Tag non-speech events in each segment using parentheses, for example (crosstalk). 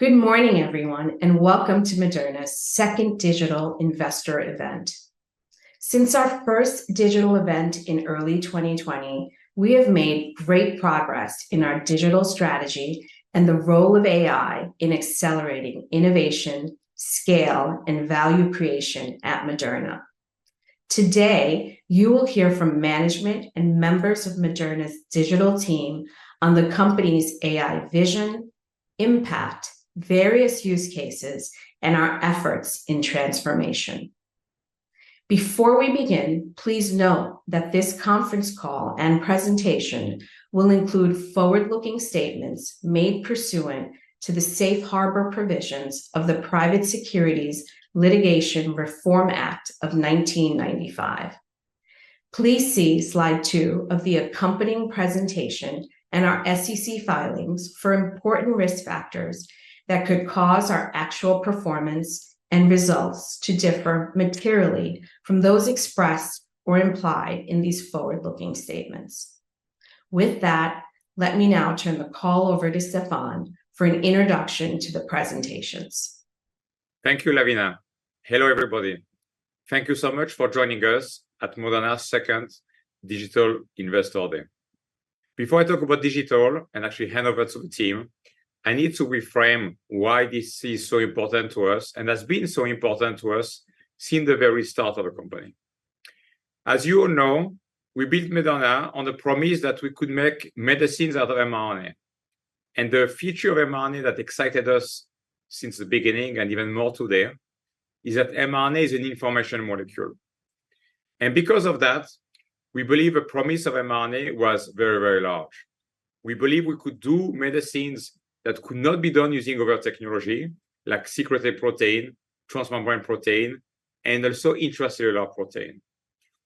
Good morning, everyone, and welcome to Moderna's Second Digital Investor event. Since our first digital event in early 2020, we have made great progress in our digital strategy and the role of AI in accelerating innovation, scale, and value creation at Moderna. Today, you will hear from management and members of Moderna's digital team on the company's AI vision, impact, various use cases, and our efforts in transformation. Before we begin, please note that this conference call and presentation will include forward-looking statements made pursuant to the safe harbor provisions of the Private Securities Litigation Reform Act of 1995. Please see slide two of the accompanying presentation and our SEC filings for important risk factors that could cause our actual performance and results to differ materially from those expressed or implied in these forward-looking statements. With that, let me now turn the call over to Stéphane for an introduction to the presentations. Thank you, Lavina. Hello, everybody. Thank you so much for joining us at Moderna's second Digital Investor Day. Before I talk about digital and actually hand over to the team, I need to reframe why this is so important to us and has been so important to us since the very start of the company. As you all know, we built Moderna on the promise that we could make medicines out of mRNA, and the future of mRNA that excited us since the beginning, and even more today, is that mRNA is an information molecule. And because of that, we believe the promise of mRNA was very, very large. We believe we could do medicines that could not be done using other technology, like secreted protein, transmembrane protein, and also intracellular protein.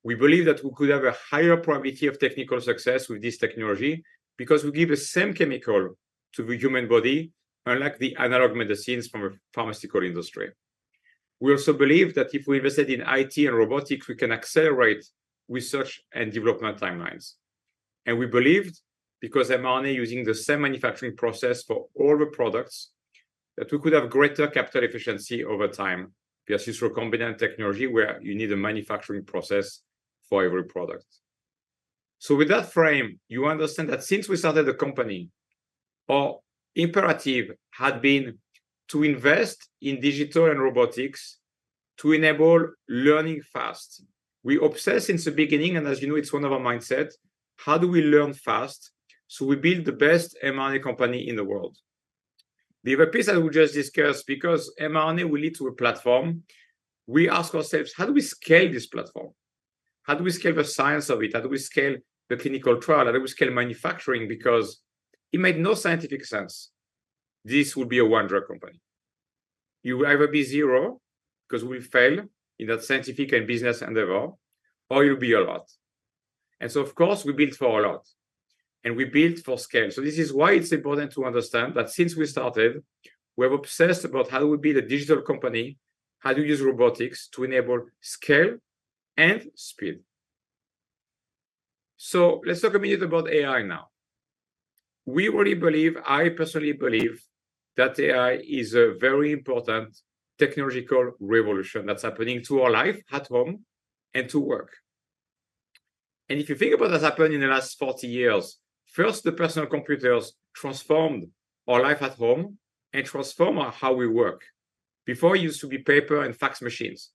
We believe that we could have a higher probability of technical success with this technology because we give the same chemical to the human body, unlike the analog medicines from the pharmaceutical industry. We also believe that if we invested in IT and robotics, we can accelerate research and development timelines. We believed, because mRNA using the same manufacturing process for all the products, that we could have greater capital efficiency over time, versus recombinant technology, where you need a manufacturing process for every product. With that frame, you understand that since we started the company, our imperative had been to invest in digital and robotics to enable learning fast. We obsessed since the beginning, and as you know, it's one of our mindsets, how do we learn fast so we build the best mRNA company in the world? The other piece that we just discussed, because mRNA will lead to a platform, we ask ourselves: How do we scale this platform? How do we scale the science of it? How do we scale the clinical trial? How do we scale manufacturing? Because it made no scientific sense this would be a one-drug company. You will either be zero, because we fail in that scientific and business endeavor, or you'll be a lot. And so, of course, we built for a lot, and we built for scale. So this is why it's important to understand that since we started, we have obsessed about how do we be the digital company, how do we use robotics to enable scale and speed. So let's talk a minute about AI now. We really believe, I personally believe, that AI is a very important technological revolution that's happening to our life at home and to work. And if you think about what's happened in the last 40 years, first, the personal computers transformed our life at home and transformed how we work. Before, it used to be paper and fax machines.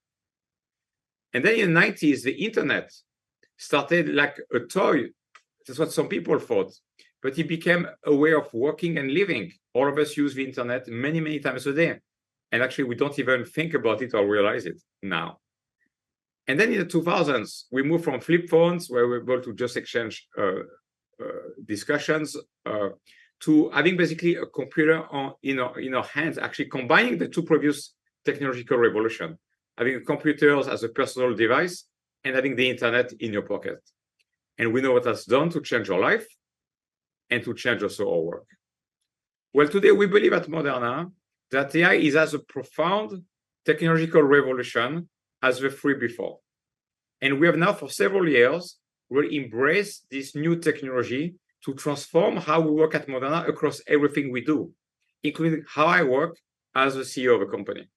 And then in 1990s, the internet started like a toy. That's what some people thought, but it became a way of working and living. All of us use the internet many, many times a day, and actually, we don't even think about it or realize it now. And then in the 2000s, we moved from flip phones, where we're able to just exchange discussions, to having basically a computer on... In our hands, actually combining the two previous technological revolution, having computers as a personal device and having the internet in your pocket. We know what that's done to change our life and to change also our work. Well, today, we believe at Moderna that AI is as a profound technological revolution as the three before, and we have now for several years, we embrace this new technology to transform how we work at Moderna across everything we do, including how I work as a CEO of a company.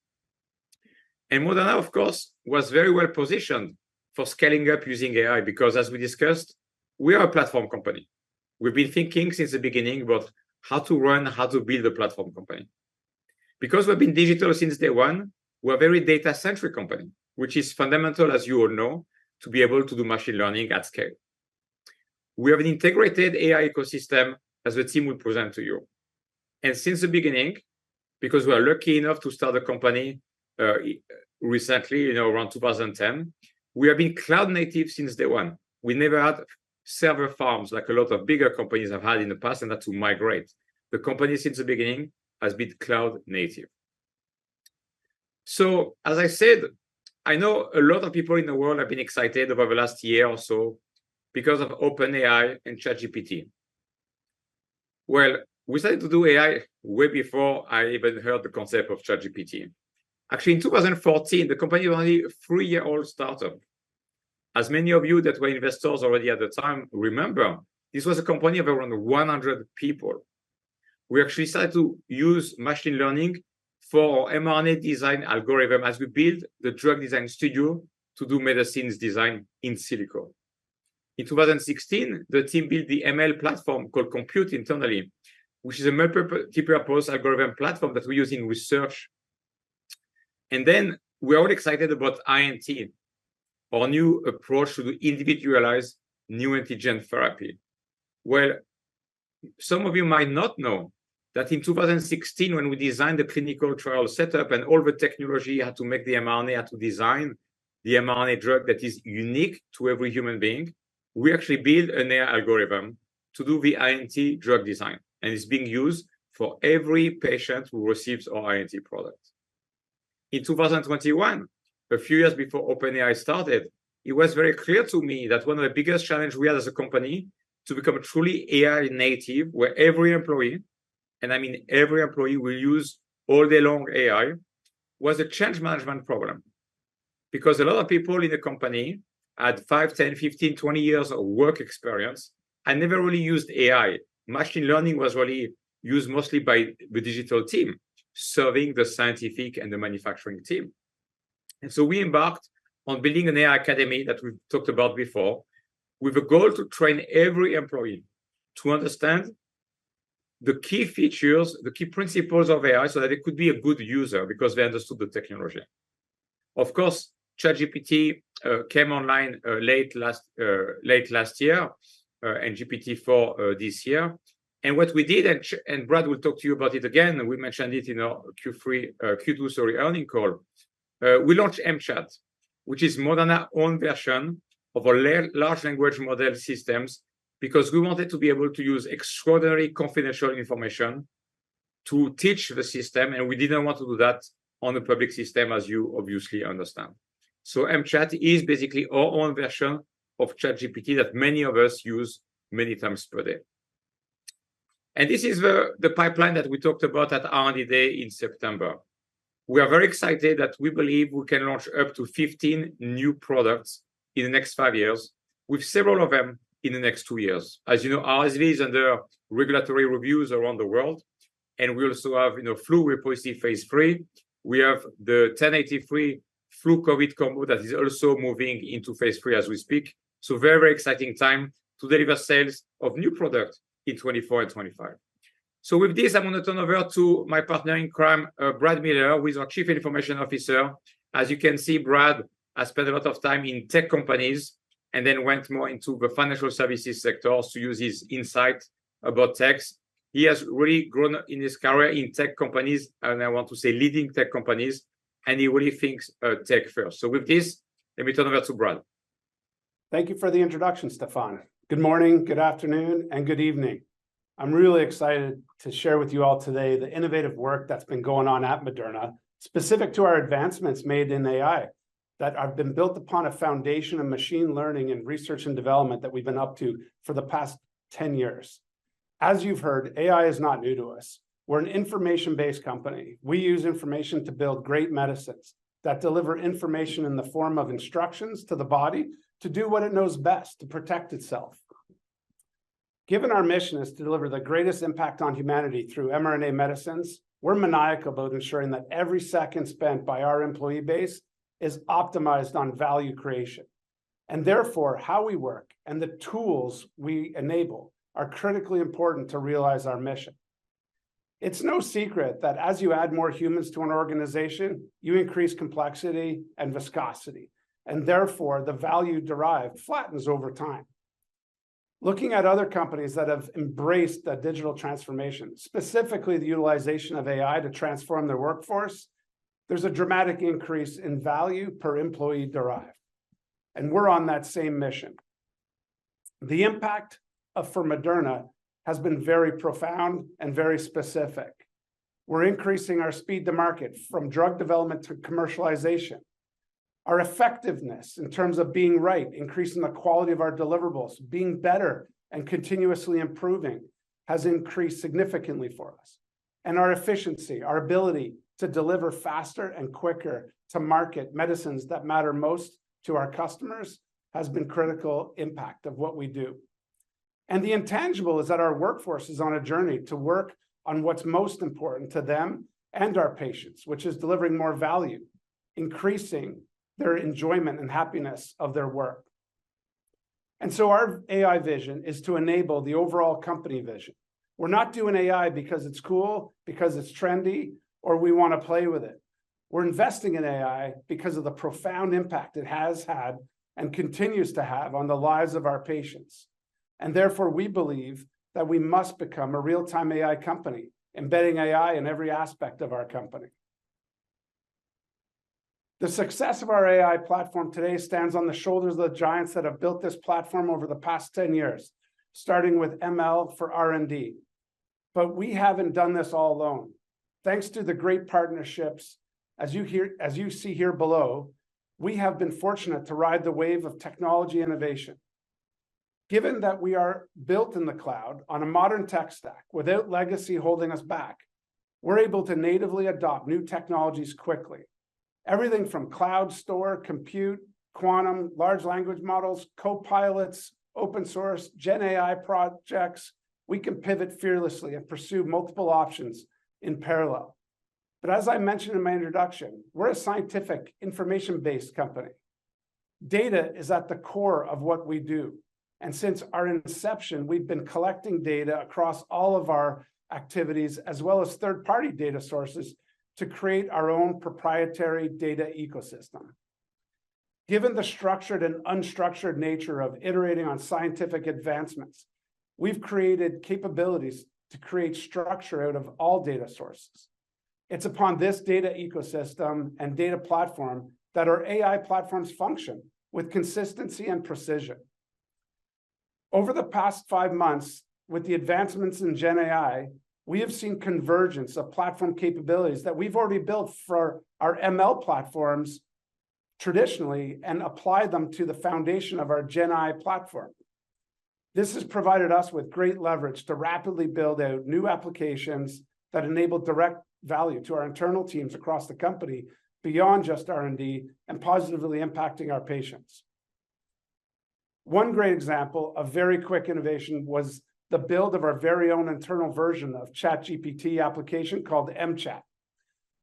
Moderna, of course, was very well positioned for scaling up using AI, because, as we discussed, we are a platform company. We've been thinking since the beginning about how to run, how to build a platform company. Because we've been digital since day one, we're a very data-centric company, which is fundamental, as you all know, to be able to do machine learning at scale. We have an integrated AI ecosystem, as the team will present to you. Since the beginning, because we are lucky enough to start a company, recently, you know, around 2010, we have been cloud native since day one. We never had server farms like a lot of bigger companies have had in the past and had to migrate. The company, since the beginning, has been cloud native. So, as I said, I know a lot of people in the world have been excited about the last year or so because of OpenAI and ChatGPT. Well, we started to do AI way before I even heard the concept of ChatGPT. Actually, in 2014, the company was only a three-year-old startup. As many of you that were investors already at the time remember, this was a company of around 100 people. We actually started to use machine learning for mRNA design algorithm, as we built the drug design studio to do medicines design in silico. In 2016, the team built the ML platform called Compute internally, which is a multi-purpose algorithm platform that we use in research. And then we're all excited about INT, our new approach to individualized neoantigen therapy. Well, some of you might not know that in 2016, when we designed the clinical trial setup and all the technology how to make the mRNA, how to design the mRNA drug that is unique to every human being, we actually built an AI algorithm to do the INT drug design, and it's being used for every patient who receives our INT product. In 2021, a few years before OpenAI started, it was very clear to me that one of the biggest challenge we had as a company to become a truly AI native, where every employee, and I mean every employee, will use all day long AI, was a change management problem. Because a lot of people in the company had five, 10, 15, 20 years of work experience and never really used AI. Machine learning was really used mostly by the digital team, serving the scientific and the manufacturing team. So we embarked on building an AI Academy, that we've talked about before, with a goal to train every employee to understand the key features, the key principles of AI, so that they could be a good user because they understood the technology. Of course, ChatGPT came online late last year, and GPT-4 this year. And what we did, and Brad will talk to you about it again, and we mentioned it in our Q3, Q2, sorry, earnings call. We launched mChat, which is Moderna's own version of a large language model systems, because we wanted to be able to use extraordinary confidential information to teach the system, and we didn't want to do that on a public system, as you obviously understand. So mChat is basically our own version of ChatGPT that many of us use many times per day. And this is the pipeline that we talked about at R&D Day in September. We are very excited that we believe we can launch up to 15 new products in the next five years, with several of them in the next two years. As you know, RSV is under regulatory reviews around the world, and we also have, you know, flu respiratory phase III. We have the 1083 flu COVID combo that is also moving into phase III as we speak. So very exciting time to deliver sales of new products in 2024 and 2025. So with this, I'm going to turn over to my partner in crime, Brad Miller, who is our Chief Information Officer. As you can see, Brad has spent a lot of time in tech companies and then went more into the financial services sector also to use his insight about tech. He has really grown in his career in tech companies, and I want to say leading tech companies, and he really thinks, tech first. So with this, let me turn over to Brad. Thank you for the introduction, Stéphane. Good morning, good afternoon, and good evening. I'm really excited to share with you all today the innovative work that's been going on at Moderna, specific to our advancements made in AI, that have been built upon a foundation of machine learning and research and development that we've been up to for the past 10 years. As you've heard, AI is not new to us. We're an information-based company. We use information to build great medicines that deliver information in the form of instructions to the body to do what it knows best, to protect itself. Given our mission is to deliver the greatest impact on humanity through mRNA medicines, we're maniacal about ensuring that every second spent by our employee base is optimized on value creation, and therefore, how we work and the tools we enable are critically important to realize our mission. It's no secret that as you add more humans to an organization, you increase complexity and viscosity, and therefore, the value derived flattens over time. Looking at other companies that have embraced the digital transformation, specifically the utilization of AI to transform their workforce, there's a dramatic increase in value per employee derived, and we're on that same mission. The impact, for Moderna has been very profound and very specific. We're increasing our speed to market, from drug development to commercialization. Our effectiveness in terms of being right, increasing the quality of our deliverables, being better, and continuously improving, has increased significantly for us. And our efficiency, our ability to deliver faster and quicker to market medicines that matter most to our customers, has been critical impact of what we do. The intangible is that our workforce is on a journey to work on what's most important to them and our patients, which is delivering more value, increasing their enjoyment and happiness of their work. So our AI vision is to enable the overall company vision. We're not doing AI because it's cool, because it's trendy, or we want to play with it. We're investing in AI because of the profound impact it has had and continues to have on the lives of our patients. Therefore, we believe that we must become a real-time AI company, embedding AI in every aspect of our company. The success of our AI platform today stands on the shoulders of the giants that have built this platform over the past 10 years, starting with ML for R&D. But we haven't done this all alone. Thanks to the great partnerships, as you see here below, we have been fortunate to ride the wave of technology innovation. Given that we are built in the cloud on a modern tech stack, without legacy holding us back, we're able to natively adopt new technologies quickly. Everything from cloud storage, Compute, quantum, large language models, Copilots, open source, GenAI projects, we can pivot fearlessly and pursue multiple options in parallel. But as I mentioned in my introduction, we're a scientific, information-based company. Data is at the core of what we do, and since our inception, we've been collecting data across all of our activities, as well as third-party data sources, to create our own proprietary data ecosystem. Given the structured and unstructured nature of iterating on scientific advancements, we've created capabilities to create structure out of all data sources. It's upon this data ecosystem and data platform that our AI platforms function with consistency and precision. Over the past five months, with the advancements in GenAI, we have seen convergence of platform capabilities that we've already built for our ML platforms traditionally, and applied them to the foundation of our GenAI platform. This has provided us with great leverage to rapidly build out new applications that enable direct value to our internal teams across the company, beyond just R&D, and positively impacting our patients. One great example of very quick innovation was the build of our very own internal version of ChatGPT application, called mChat.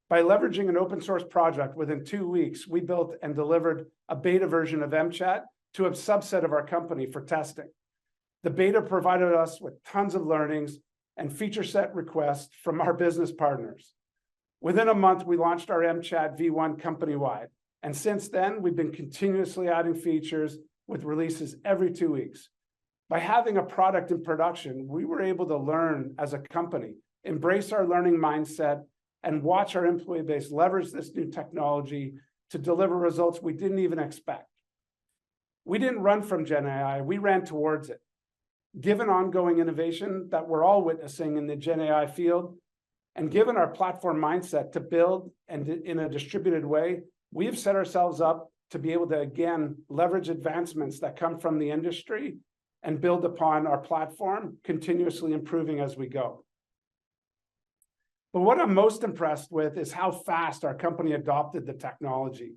By leveraging an open-source project, within two weeks, we built and delivered a beta version of mChat to a subset of our company for testing. The beta provided us with tons of learnings and feature set requests from our business partners. Within a month, we launched our mChat V1 company-wide, and since then, we've been continuously adding features, with releases every two weeks. By having a product in production, we were able to learn as a company, embrace our learning mindset, and watch our employee base leverage this new technology to deliver results we didn't even expect. We didn't run from GenAI, we ran towards it. Given ongoing innovation that we're all witnessing in the GenAI field, and given our platform mindset to build and in a distributed way, we have set ourselves up to be able to, again, leverage advancements that come from the industry and build upon our platform, continuously improving as we go. But what I'm most impressed with is how fast our company adopted the technology.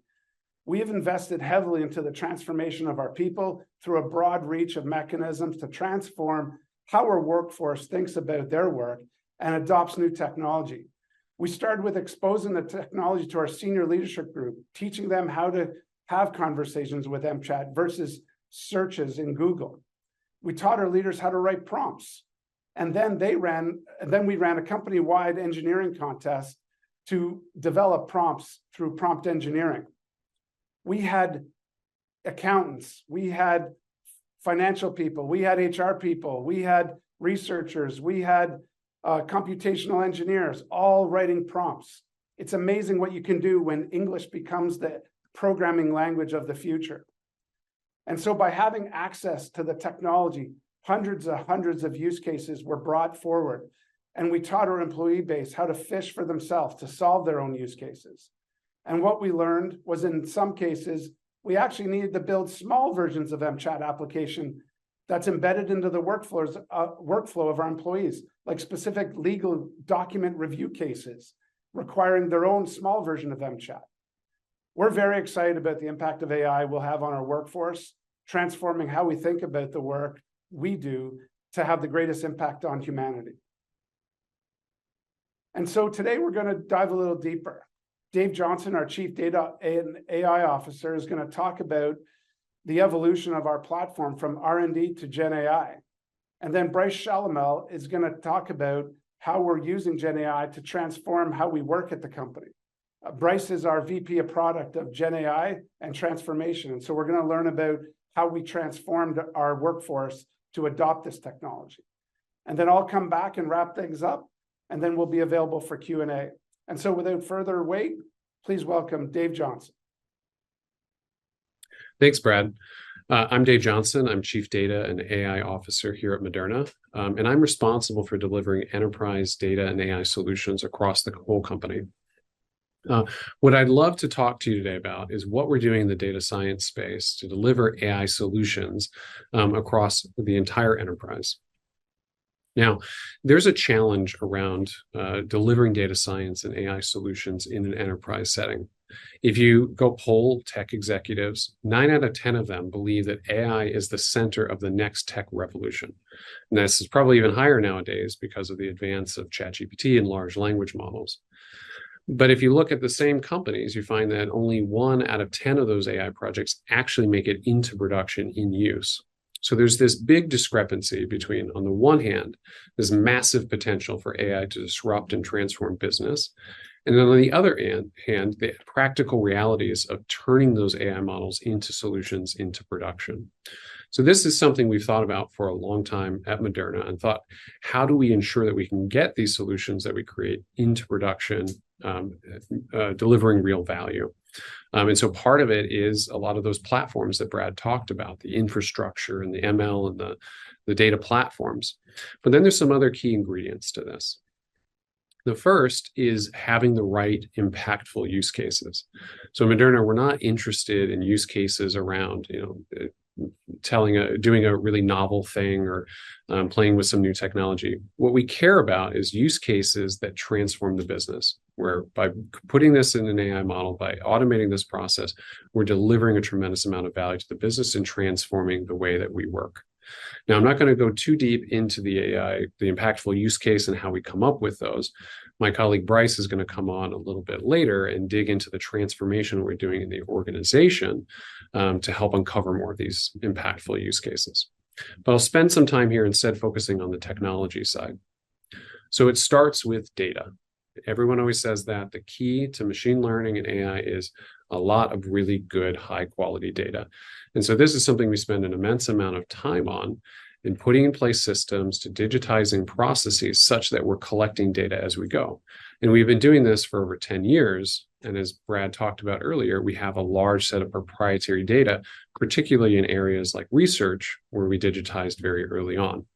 We have invested heavily into the transformation of our people through a broad reach of mechanisms to transform how our workforce thinks about their work and adopts new technology. We started with exposing the technology to our senior leadership group, teaching them how to have conversations with mChat versus searches in Google. We taught our leaders how to write prompts, and then we ran a company-wide engineering contest to develop prompts through prompt engineering. We had accountants, we had financial people, we had HR people, we had researchers, we had computational engineers, all writing prompts. It's amazing what you can do when English becomes the programming language of the future. And so by having access to the technology, hundreds of hundreds of use cases were brought forward, and we taught our employee base how to fish for themselves to solve their own use cases. And what we learned was, in some cases, we actually needed to build small versions of mChat application that's embedded into the workflows, workflow of our employees, like specific legal document review cases requiring their own small version of mChat. We're very excited about the impact of AI will have on our workforce, transforming how we think about the work we do to have the greatest impact on humanity. And so today, we're gonna dive a little deeper. Dave Johnson, our Chief Data and AI Officer, is gonna talk about the evolution of our platform from R&D to GenAI. And then Brice Challamel is gonna talk about how we're using GenAI to transform how we work at the company. Brice is our VP of Product of GenAI and Transformation, and so we're gonna learn about how we transformed our workforce to adopt this technology. Then I'll come back and wrap things up, and then we'll be available for Q&A. So without further wait, please welcome Dave Johnson. Thanks, Brad. I'm Dave Johnson. I'm Chief Data and AI Officer here at Moderna, and I'm responsible for delivering enterprise data and AI solutions across the whole company. What I'd love to talk to you today about is what we're doing in the data science space to deliver AI solutions across the entire enterprise. Now, there's a challenge around delivering data science and AI solutions in an enterprise setting. If you go poll tech executives, nine out of ten of them believe that AI is the center of the next tech revolution, and this is probably even higher nowadays because of the advance of ChatGPT and large language models. But if you look at the same companies, you find that only one out of ten of those AI projects actually make it into production in use. So there's this big discrepancy between, on the one hand, there's massive potential for AI to disrupt and transform business, and then on the other hand, the practical realities of turning those AI models into solutions into production. So this is something we've thought about for a long time at Moderna and thought, "How do we ensure that we can get these solutions that we create into production, delivering real value?" And so part of it is a lot of those platforms that Brad talked about, the infrastructure and the ML and the data platforms, but then there's some other key ingredients to this.... The first is having the right impactful use cases. So Moderna, we're not interested in use cases around, you know, doing a really novel thing or playing with some new technology. What we care about is use cases that transform the business, where by putting this in an AI model, by automating this process, we're delivering a tremendous amount of value to the business and transforming the way that we work. Now, I'm not gonna go too deep into the AI, the impactful use case, and how we come up with those. My colleague, Brice, is gonna come on a little bit later and dig into the transformation we're doing in the organization, to help uncover more of these impactful use cases. But I'll spend some time here instead focusing on the technology side. So it starts with data. Everyone always says that the key to machine learning and AI is a lot of really good, high-quality data. So this is something we spend an immense amount of time on, in putting in place systems to digitizing processes such that we're collecting data as we go. We've been doing this for over 10 years, and as Brad talked about earlier, we have a large set of proprietary data, particularly in areas like research, where we digitized very early on.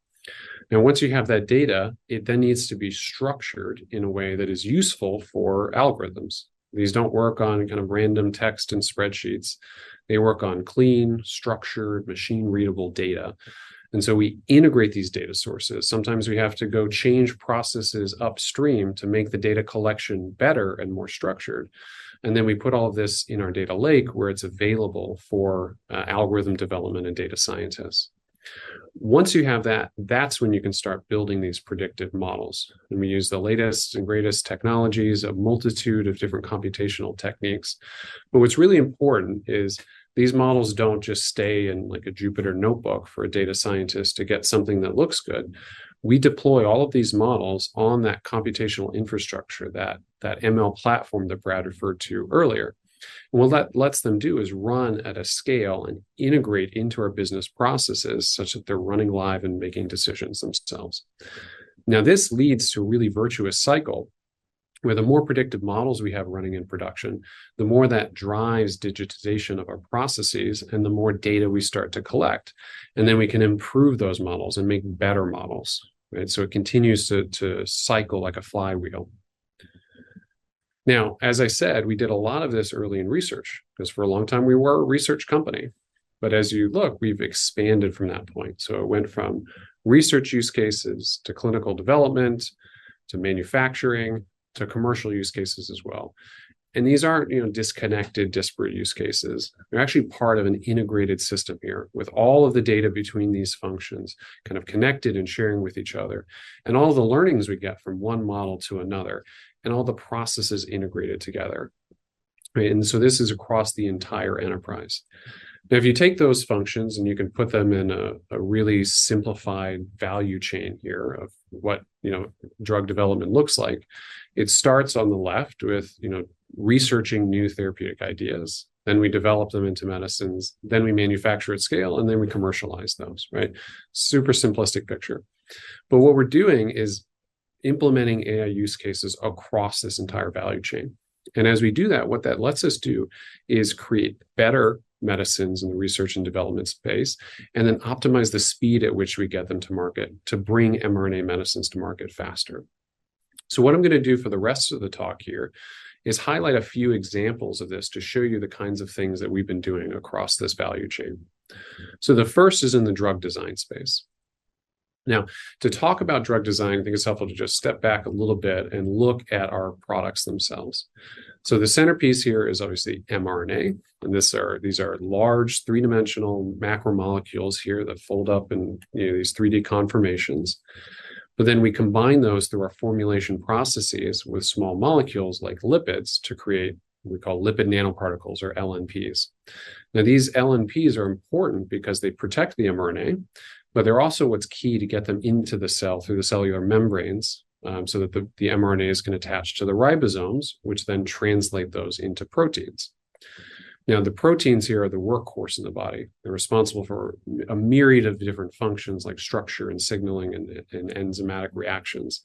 Now, once you have that data, it then needs to be structured in a way that is useful for algorithms. These don't work on kind of random text and spreadsheets. They work on clean, structured, machine-readable data, and so we integrate these data sources. Sometimes we have to go change processes upstream to make the data collection better and more structured, and then we put all of this in our data lake, where it's available for algorithm development and data scientists. Once you have that, that's when you can start building these predictive models, and we use the latest and greatest technologies, a multitude of different computational techniques. But what's really important is these models don't just stay in, like, a Jupyter notebook for a data scientist to get something that looks good. We deploy all of these models on that computational infrastructure, that ML platform that Brad referred to earlier. What that lets them do is run at a scale and integrate into our business processes such that they're running live and making decisions themselves. Now, this leads to a really virtuous cycle, where the more predictive models we have running in production, the more that drives digitization of our processes and the more data we start to collect, and then we can improve those models and make better models. Right? So it continues to cycle like a flywheel. Now, as I said, we did a lot of this early in research, 'cause for a long time, we were a research company. But as you look, we've expanded from that point. So it went from research use cases to clinical development, to manufacturing, to commercial use cases as well. And these aren't, you know, disconnected, disparate use cases. They're actually part of an integrated system here, with all of the data between these functions kind of connected and sharing with each other, and all the learnings we get from one model to another, and all the processes integrated together. And so this is across the entire enterprise. Now, if you take those functions, and you can put them in a really simplified value chain here of what, you know, drug development looks like, it starts on the left with, you know, researching new therapeutic ideas. Then we develop them into medicines, then we manufacture at scale, and then we commercialize them, right? Super simplistic picture. But what we're doing is implementing AI use cases across this entire value chain. And as we do that, what that lets us do is create better medicines in the research and development space, and then optimize the speed at which we get them to market to bring mRNA medicines to market faster. So what I'm gonna do for the rest of the talk here is highlight a few examples of this to show you the kinds of things that we've been doing across this value chain. So the first is in the drug design space. Now, to talk about drug design, I think it's helpful to just step back a little bit and look at our products themselves. So the centerpiece here is obviously mRNA, and these are large, three-dimensional macromolecules here that fold up in, you know, these 3D conformations. But then we combine those through our formulation processes with small molecules like lipids, to create what we call lipid nanoparticles, or LNPs. Now, these LNPs are important because they protect the mRNA, but they're also what's key to get them into the cell through the cellular membranes, so that the mRNAs can attach to the ribosomes, which then translate those into proteins. Now, the proteins here are the workhorse in the body. They're responsible for a myriad of different functions, like structure and signaling and enzymatic reactions.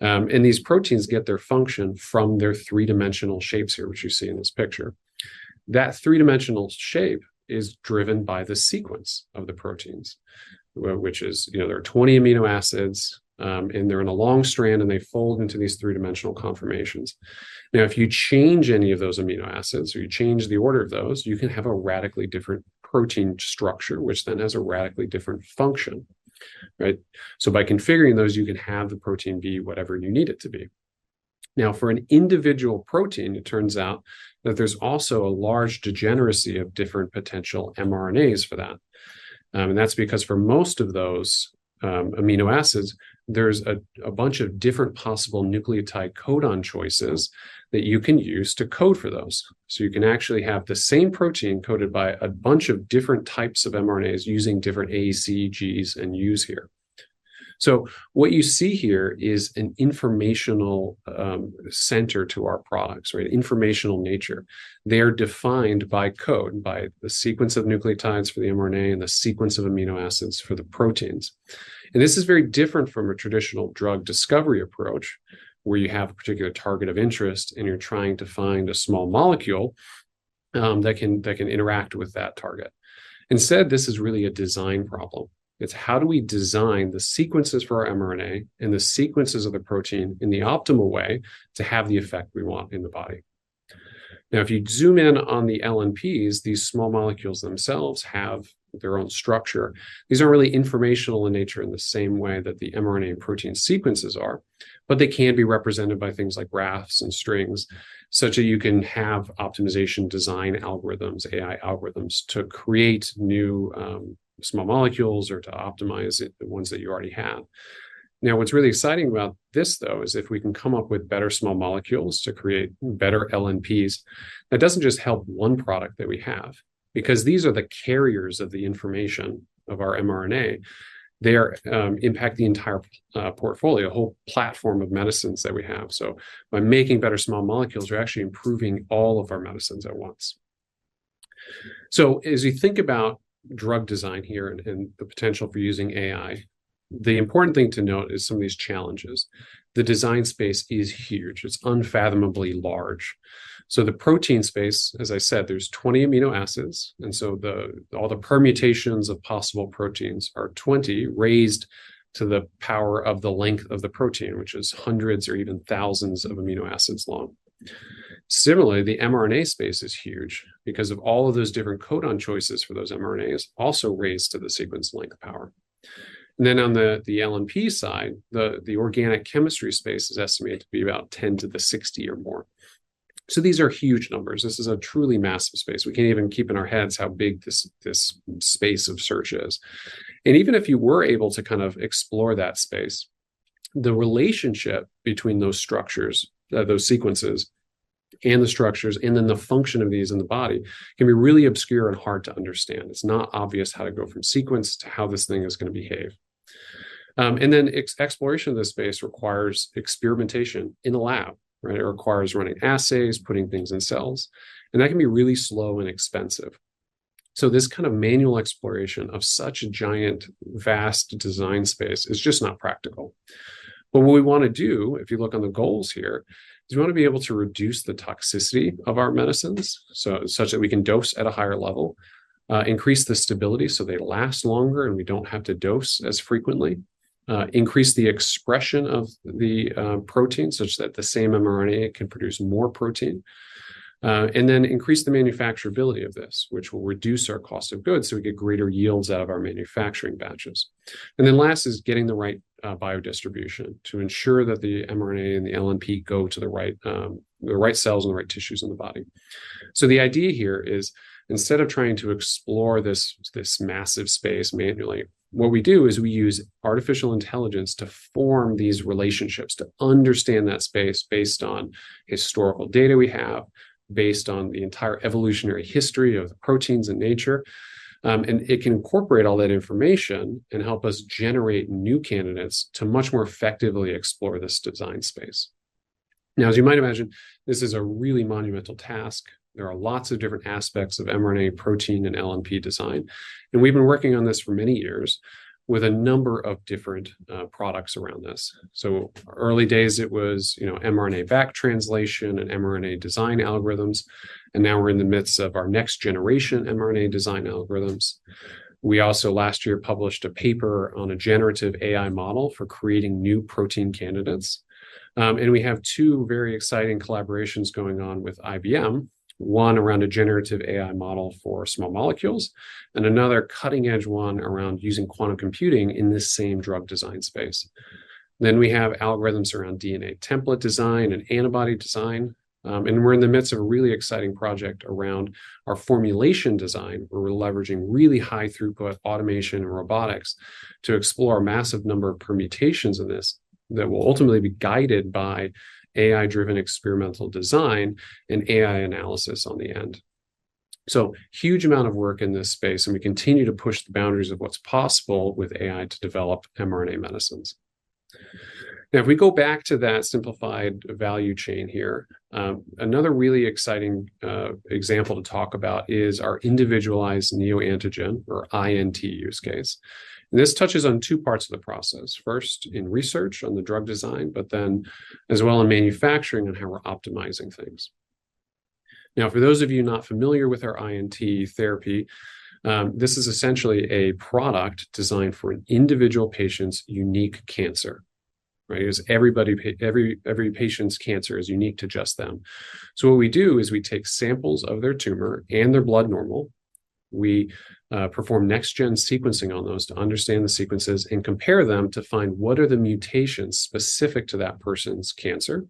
And these proteins get their function from their three-dimensional shapes here, which you see in this picture. That three-dimensional shape is driven by the sequence of the proteins, which is, you know, there are 20 amino acids, and they're in a long strand, and they fold into these three-dimensional conformations. Now, if you change any of those amino acids or you change the order of those, you can have a radically different protein structure, which then has a radically different function, right? So by configuring those, you can have the protein be whatever you need it to be. Now, for an individual protein, it turns out that there's also a large degeneracy of different potential mRNAs for that. And that's because for most of those amino acids, there's a bunch of different possible nucleotide codon choices that you can use to code for those. So, you can actually have the same protein coded by a bunch of different types of mRNAs using different ACGs and Us here. So, what you see here is an informational center to our products, right? Informational nature. They are defined by code, by the sequence of nucleotides for the mRNA and the sequence of amino acids for the proteins. And this is very different from a traditional drug discovery approach, where you have a particular target of interest, and you're trying to find a small molecule that can interact with that target. Instead, this is really a design problem. It's how do we design the sequences for our mRNA and the sequences of the protein in the optimal way to have the effect we want in the body? Now, if you zoom in on the LNPs, these small molecules themselves have their own structure. These are really informational in nature in the same way that the mRNA and protein sequences are, but they can be represented by things like graphs and strings, such that you can have optimization design algorithms, AI algorithms, to create new, small molecules or to optimize the ones that you already have. Now, what's really exciting about this, though, is if we can come up with better small molecules to create better LNPs, that doesn't just help one product that we have, because these are the carriers of the information of our mRNA. They are, impact the entire, portfolio, whole platform of medicines that we have. So by making better small molecules, we're actually improving all of our medicines at once. So as you think about drug design here and, and the potential for using AI, the important thing to note is some of these challenges. The design space is huge. It's unfathomably large. So the protein space, as I said, there's 20 amino acids, and so all the permutations of possible proteins are 20 raised to the power of the length of the protein, which is hundreds or even thousands of amino acids long. Similarly, the mRNA space is huge because of all of those different codon choices for those mRNAs, also raised to the sequence length power. And then on the LNP side, the organic chemistry space is estimated to be about 10 to the 60 or more. So these are huge numbers. This is a truly massive space. We can't even keep in our heads how big this space of search is. Even if you were able to kind of explore that space, the relationship between those structures, those sequences and the structures, and then the function of these in the body, can be really obscure and hard to understand. It's not obvious how to go from sequence to how this thing is going to behave. And then exploration of this space requires experimentation in the lab, right? It requires running assays, putting things in cells, and that can be really slow and expensive. This kind of manual exploration of such a giant, vast design space is just not practical. But what we want to do, if you look on the goals here, is we want to be able to reduce the toxicity of our medicines, so such that we can dose at a higher level, increase the stability, so they last longer, and we don't have to dose as frequently. Increase the expression of the protein, such that the same mRNA can produce more protein. And then increase the manufacturability of this, which will reduce our cost of goods, so we get greater yields out of our manufacturing batches. And then last is getting the right biodistribution to ensure that the mRNA and the LNP go to the right, the right cells and the right tissues in the body. So the idea here is, instead of trying to explore this massive space manually, what we do is we use artificial intelligence to form these relationships, to understand that space based on historical data we have, based on the entire evolutionary history of proteins in nature. It can incorporate all that information and help us generate new candidates to much more effectively explore this design space. Now, as you might imagine, this is a really monumental task. There are lots of different aspects of mRNA, protein, and LNP design, and we've been working on this for many years with a number of different products around this. Early days, it was, you know, mRNA translation and mRNA design algorithms, and now we're in the midst of our next generation mRNA design algorithms. We also last year published a paper on a generative AI model for creating new protein candidates. We have two very exciting collaborations going on with IBM, one around a generative AI model for small molecules, and another cutting-edge one around using quantum computing in this same drug design space. We have algorithms around DNA template design and antibody design, and we're in the midst of a really exciting project around our formulation design, where we're leveraging really high throughput automation and robotics to explore a massive number of permutations in this that will ultimately be guided by AI-driven experimental design and AI analysis on the end. So huge amount of work in this space, and we continue to push the boundaries of what's possible with AI to develop mRNA medicines. Now, if we go back to that simplified value chain here, another really exciting example to talk about is our individualized neoantigen, or INT use case. This touches on two parts of the process. First, in research on the drug design, but then as well in manufacturing and how we're optimizing things. Now, for those of you not familiar with our INT therapy, this is essentially a product designed for an individual patient's unique cancer, right? Because everybody, every patient's cancer is unique to just them. So, what we do is we take samples of their tumor and their blood normal, we perform Next-Gen sequencing on those to understand the sequences and compare them to find what are the mutations specific to that person's cancer.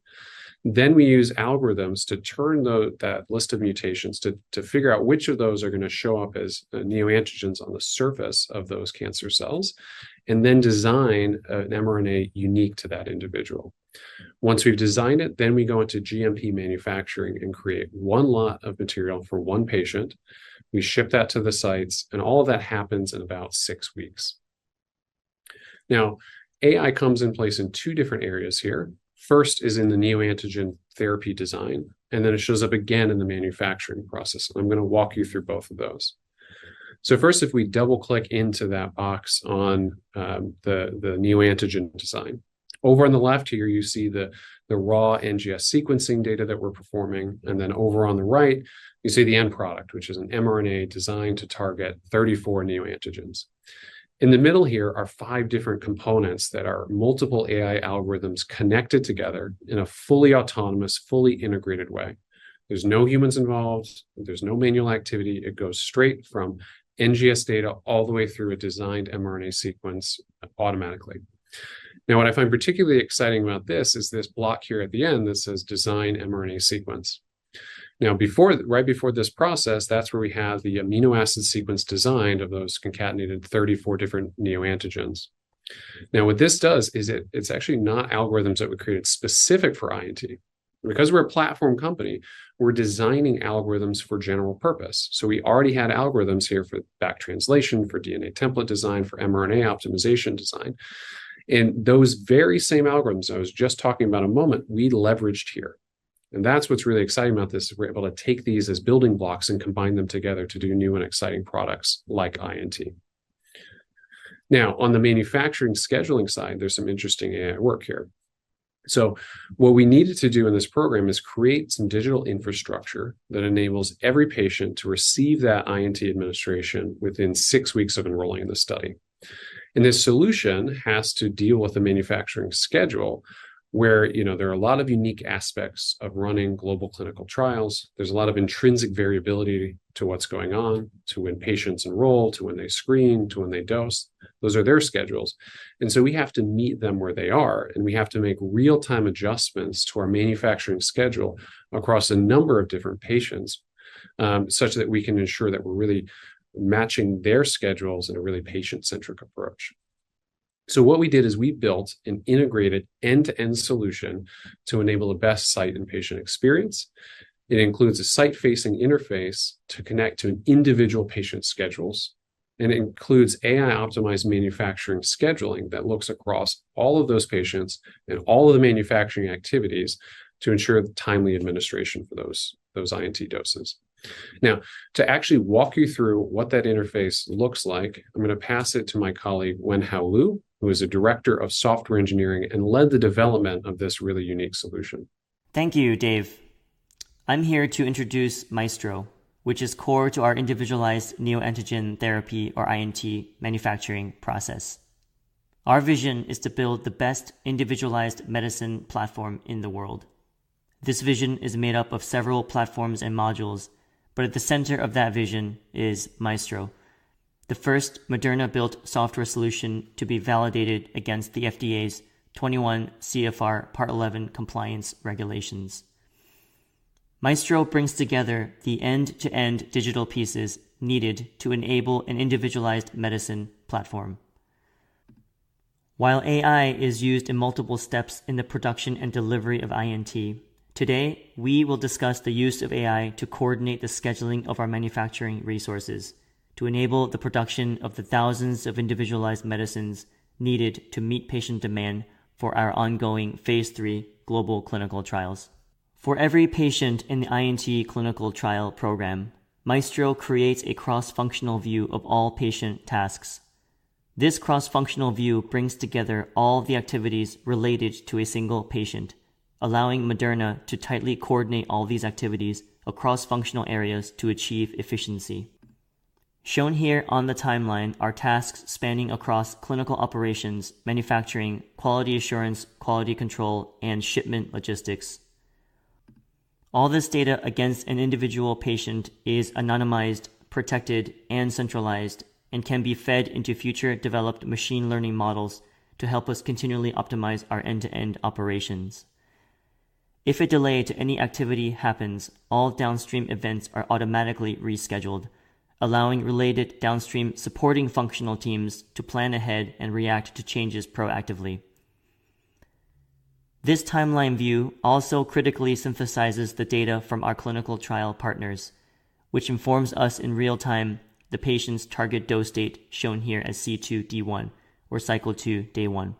Then we use algorithms to turn that list of mutations to figure out which of those are going to show up as neoantigens on the surface of those cancer cells, and then design an mRNA unique to that individual. Once we've designed it, then we go into GMP manufacturing and create one lot of material for one patient. We ship that to the sites, and all of that happens in about six weeks. Now, AI comes in place in two different areas here. First is in the neoantigen therapy design, and then it shows up again in the manufacturing process. I'm going to walk you through both of those. So first, if we double-click into that box on the neoantigen design.... Over on the left here, you see the, the raw NGS sequencing data that we're performing, and then over on the right, you see the end product, which is an mRNA designed to target 34 neoantigens. In the middle here are five different components that are multiple AI algorithms connected together in a fully autonomous, fully integrated way. There's no humans involved, there's no manual activity. It goes straight from NGS data all the way through a designed mRNA sequence automatically. Now, what I find particularly exciting about this is this block here at the end that says, "Design mRNA sequence." Now, before, right before this process, that's where we have the amino acid sequence designed of those concatenated 34 different neoantigens. Now, what this does is it, it's actually not algorithms that we created specific for INT. Because we're a platform company, we're designing algorithms for general purpose. So we already had algorithms here for back translation, for DNA template design, for mRNA optimization design, and those very same algorithms I was just talking about a moment. We leveraged here. And that's what's really exciting about this, is we're able to take these as building blocks and combine them together to do new and exciting products like INT. Now, on the manufacturing scheduling side, there's some interesting AI work here. So what we needed to do in this program is create some digital infrastructure that enables every patient to receive that INT administration within six weeks of enrolling in the study. And this solution has to deal with a manufacturing schedule where, you know, there are a lot of unique aspects of running global clinical trials. There's a lot of intrinsic variability to what's going on, to when patients enroll, to when they screen, to when they dose. Those are their schedules, and so we have to meet them where they are, and we have to make real-time adjustments to our manufacturing schedule across a number of different patients, such that we can ensure that we're really matching their schedules in a really patient-centric approach. So what we did is we built an integrated end-to-end solution to enable the best site and patient experience. It includes a site-facing interface to connect to an individual patient's schedules, and it includes AI-optimized manufacturing scheduling that looks across all of those patients and all of the manufacturing activities to ensure timely administration for those, those INT doses. Now, to actually walk you through what that interface looks like, I'm going to pass it to my colleague, Wenhao Liu, who is a director of software engineering and led the development of this really unique solution. Thank you, Dave. I'm here to introduce Maestro, which is core to our individualized neoantigen therapy, or INT, manufacturing process. Our vision is to build the best individualized medicine platform in the world. This vision is made up of several platforms and modules, but at the center of that vision is Maestro, the first Moderna-built software solution to be validated against the FDA's 21 CFR Part 11 compliance regulations. Maestro brings together the end-to-end digital pieces needed to enable an individualized medicine platform. While AI is used in multiple steps in the production and delivery of INT, today, we will discuss the use of AI to coordinate the scheduling of our manufacturing resources to enable the production of the thousands of individualized medicines needed to meet patient demand for our ongoing phase III global clinical trials. For every patient in the INT clinical trial program, Maestro creates a cross-functional view of all patient tasks. This cross-functional view brings together all the activities related to a single patient, allowing Moderna to tightly coordinate all these activities across functional areas to achieve efficiency. Shown here on the timeline are tasks spanning across clinical operations, manufacturing, quality assurance, quality control, and shipment logistics. All this data against an individual patient is anonymized, protected, and centralized, and can be fed into future developed machine learning models to help us continually optimize our end-to-end operations. If a delay to any activity happens, all downstream events are automatically rescheduled, allowing related downstream supporting functional teams to plan ahead and react to changes proactively. This timeline view also critically synthesizes the data from our clinical trial partners, which informs us in real time the patient's target dose date, shown here as C2D1, or cycle two, day one.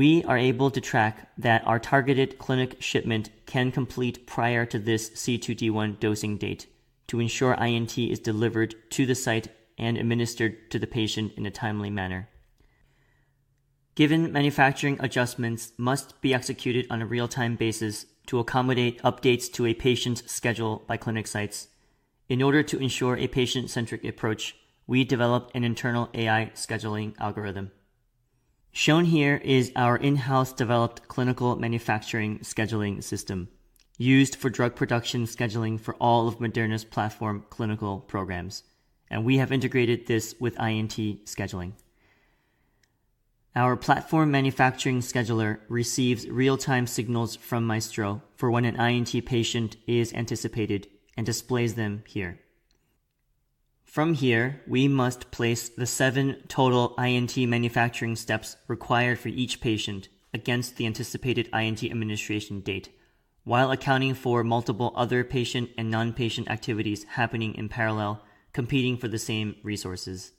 We are able to track that our targeted clinic shipment can complete prior to this C2D1 dosing date to ensure INT is delivered to the site and administered to the patient in a timely manner. Given manufacturing adjustments must be executed on a real-time basis to accommodate updates to a patient's schedule by clinic sites, in order to ensure a patient-centric approach, we developed an internal AI scheduling algorithm. Shown here is our in-house developed clinical manufacturing scheduling system used for drug production scheduling for all of Moderna's platform clinical programs, and we have integrated this with INT scheduling. Our platform manufacturing scheduler receives real-time signals from Maestro for when an INT patient is anticipated and displays them here. From here, we must place the seven total INT manufacturing steps required for each patient against the anticipated INT administration date, while accounting for multiple other patient and non-patient activities happening in parallel, competing for the same resources.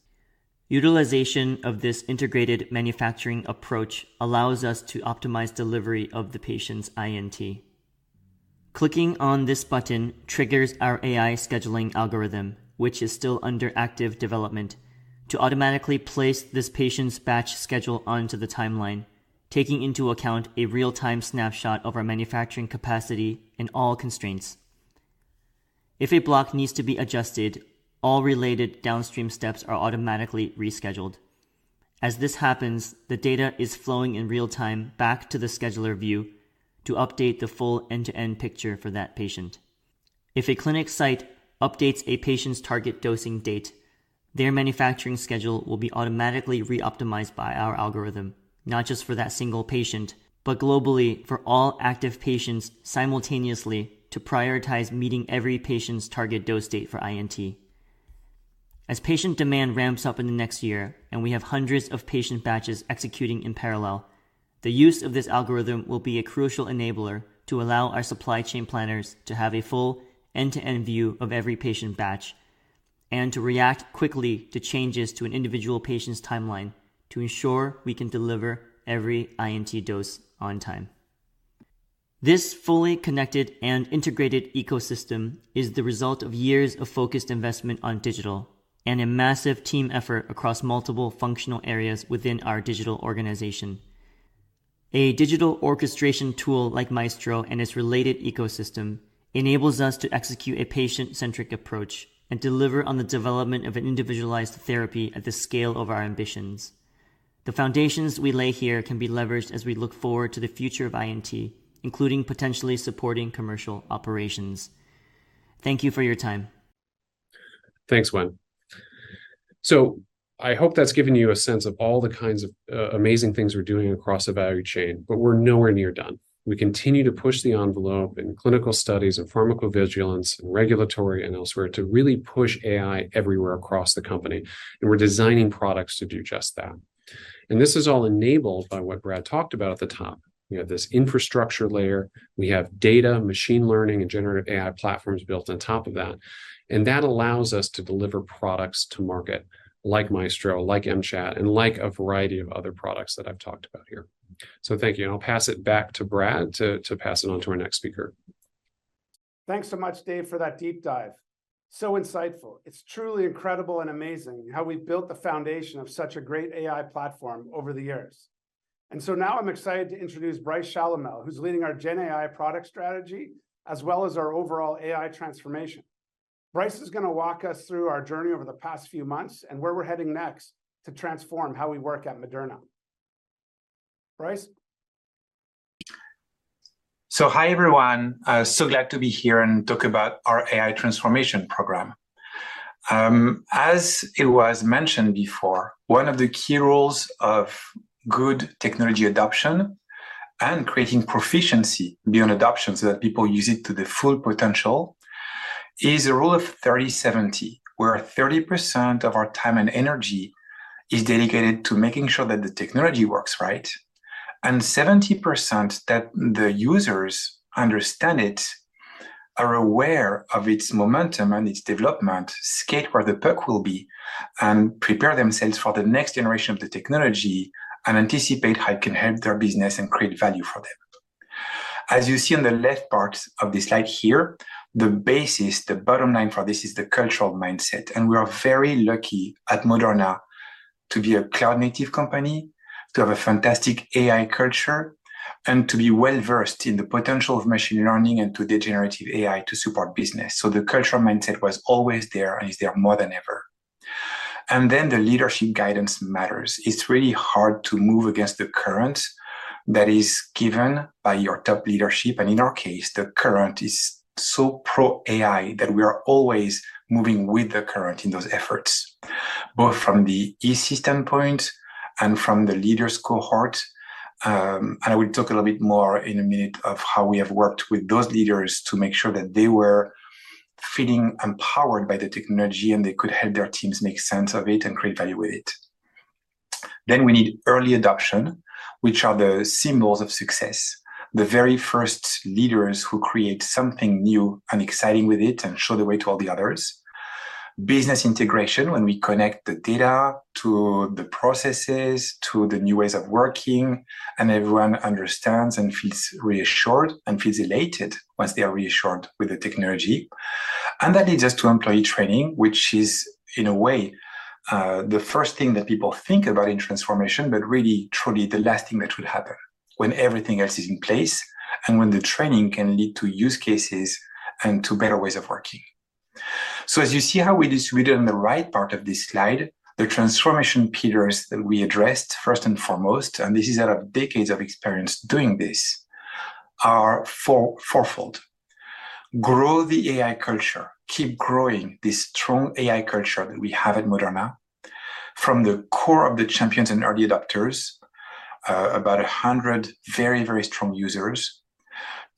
Utilization of this integrated manufacturing approach allows us to optimize delivery of the patient's INT.... Clicking on this button triggers our AI scheduling algorithm, which is still under active development, to automatically place this patient's batch schedule onto the timeline, taking into account a real-time snapshot of our manufacturing capacity and all constraints. If a block needs to be adjusted, all related downstream steps are automatically rescheduled. As this happens, the data is flowing in real time back to the scheduler view to update the full end-to-end picture for that patient. If a clinic site updates a patient's target dosing date, their manufacturing schedule will be automatically reoptimized by our algorithm, not just for that single patient, but globally for all active patients simultaneously to prioritize meeting every patient's target dose date for INT. As patient demand ramps up in the next year and we have hundreds of patient batches executing in parallel, the use of this algorithm will be a crucial enabler to allow our supply chain planners to have a full end-to-end view of every patient batch, and to react quickly to changes to an individual patient's timeline to ensure we can deliver every INT dose on time. This fully connected and integrated ecosystem is the result of years of focused investment on digital and a massive team effort across multiple functional areas within our digital organization. A digital orchestration tool like Maestro and its related ecosystem enables us to execute a patient-centric approach and deliver on the development of an individualized therapy at the scale of our ambitions. The foundations we lay here can be leveraged as we look forward to the future of INT, including potentially supporting commercial operations. Thank you for your time. Thanks, Wen. So I hope that's given you a sense of all the kinds of amazing things we're doing across the value chain, but we're nowhere near done. We continue to push the envelope in clinical studies and pharmacovigilance, and regulatory, and elsewhere to really push AI everywhere across the company, and we're designing products to do just that. And this is all enabled by what Brad talked about at the top. We have this infrastructure layer, we have data, machine learning, and generative AI platforms built on top of that, and that allows us to deliver products to market like Maestro, like mChat, and like a variety of other products that I've talked about here. So thank you, and I'll pass it back to Brad to pass it on to our next speaker. Thanks so much, Dave, for that deep dive. So insightful. It's truly incredible and amazing how we've built the foundation of such a great AI platform over the years. So now I'm excited to introduce Brice Challamel, who's leading our GenAI product strategy, as well as our overall AI transformation. Brice is gonna walk us through our journey over the past few months and where we're heading next to transform how we work at Moderna. Brice? So hi, everyone. So glad to be here and talk about our AI transformation program. As it was mentioned before, one of the key roles of good technology adoption and creating proficiency beyond adoption, so that people use it to the full potential, is a rule of 30/70, where 30% of our time and energy is dedicated to making sure that the technology works right, and 70% that the users understand it, are aware of its momentum and its development, skate where the puck will be, and prepare themselves for the next generation of the technology, and anticipate how it can help their business and create value for them. As you see on the left part of the slide here, the basis, the bottom line for this is the cultural mindset, and we are very lucky at Moderna to be a cloud-native company, to have a fantastic AI culture, and to be well-versed in the potential of machine learning and to the generative AI to support business. The cultural mindset was always there and is there more than ever. Then the leadership guidance matters. It's really hard to move against the current that is given by your top leadership, and in our case, the current is so pro AI that we are always moving with the current in those efforts, both from the E system point and from the leaders cohort. And I will talk a little bit more in a minute of how we have worked with those leaders to make sure that they were feeling empowered by the technology, and they could help their teams make sense of it and create value with it. Then we need early adoption, which are the symbols of success, the very first leaders who create something new and exciting with it and show the way to all the others. Business integration, when we connect the data to the processes, to the new ways of working, and everyone understands and feels reassured and feels elated once they are reassured with the technology. That leads us to employee training, which is, in a way, the first thing that people think about in transformation, but really truly the last thing that will happen when everything else is in place and when the training can lead to use cases and to better ways of working. So as you see how we distributed on the right part of this slide, the transformation pillars that we addressed, first and foremost, and this is out of decades of experience doing this, are fourfold. Grow the AI culture. Keep growing this strong AI culture that we have at Moderna from the core of the champions and early adopters, about 100 very, very strong users,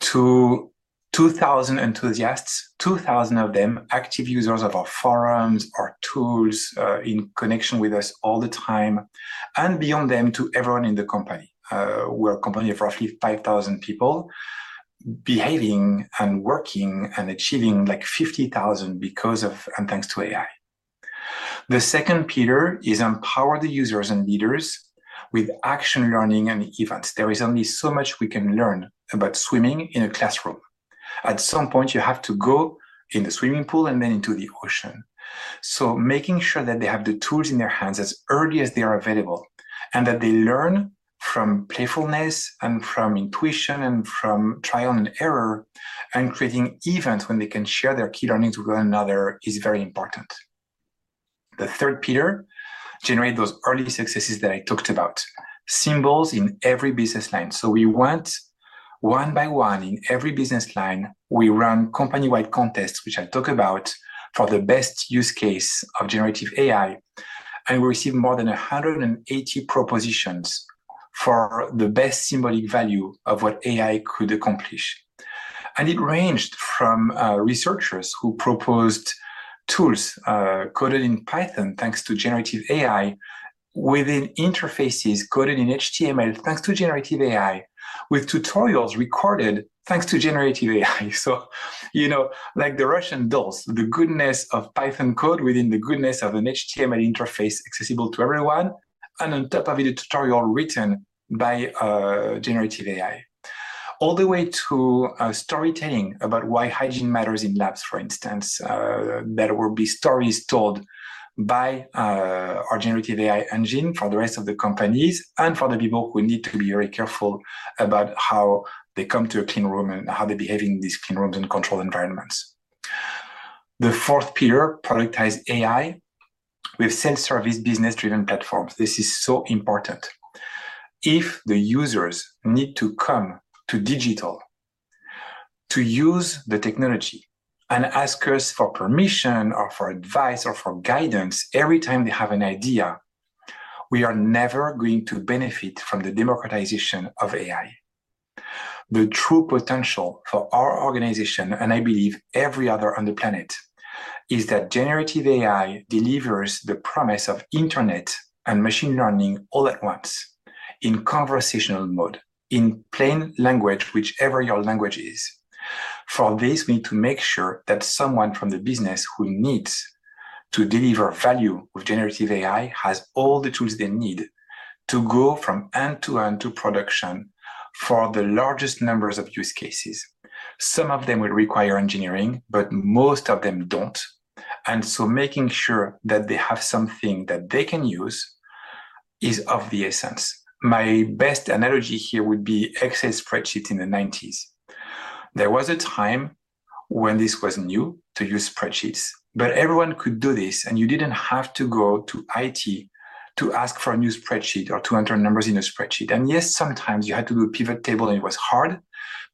to 2,000 enthusiasts, 2,000 of them, active users of our forums, our tools, in connection with us all the time, and beyond them to everyone in the company. We're a company of roughly 5,000 people, behaving and working and achieving, like, 50,000 because of and thanks to AI.... The second pillar is empower the users and leaders with action learning and events. There is only so much we can learn about swimming in a classroom. At some point, you have to go in the swimming pool and then into the ocean. So making sure that they have the tools in their hands as early as they are available, and that they learn from playfulness and from intuition and from trial and error, and creating events when they can share their key learnings with one another is very important. The third pillar, generate those early successes that I talked about, symbols in every business line. So we went one by one in every business line, we ran company-wide contests, which I talk about, for the best use case of generative AI, and we received more than 180 propositions for the best symbolic value of what AI could accomplish. And it ranged from, researchers who proposed tools, coded in Python, thanks to generative AI, within interfaces coded in HTML, thanks to generative AI, with tutorials recorded, thanks to generative AI. So, you know, like the Russian dolls, the goodness of Python code within the goodness of an HTML interface accessible to everyone, and on top of it, a tutorial written by generative AI. All the way to storytelling about why hygiene matters in labs, for instance, that will be stories told by our generative AI engine for the rest of the companies and for the people who need to be very careful about how they come to a clean room and how they behave in these clean rooms and controlled environments. The fourth pillar, productize AI with self-service, business-driven platforms. This is so important. If the users need to come to digital to use the technology and ask us for permission, or for advice, or for guidance every time they have an idea, we are never going to benefit from the democratization of AI. The true potential for our organization, and I believe every other on the planet, is that generative AI delivers the promise of internet and machine learning all at once, in conversational mode, in plain language, whichever your language is. For this, we need to make sure that someone from the business who needs to deliver value with generative AI has all the tools they need to go from end to end to production for the largest numbers of use cases. Some of them will require engineering, but most of them don't, and so making sure that they have something that they can use is of the essence. My best analogy here would be Excel spreadsheet in the 90s. There was a time when this was new to use spreadsheets, but everyone could do this, and you didn't have to go to IT to ask for a new spreadsheet or to enter numbers in a spreadsheet. And yes, sometimes you had to do a pivot table, and it was hard,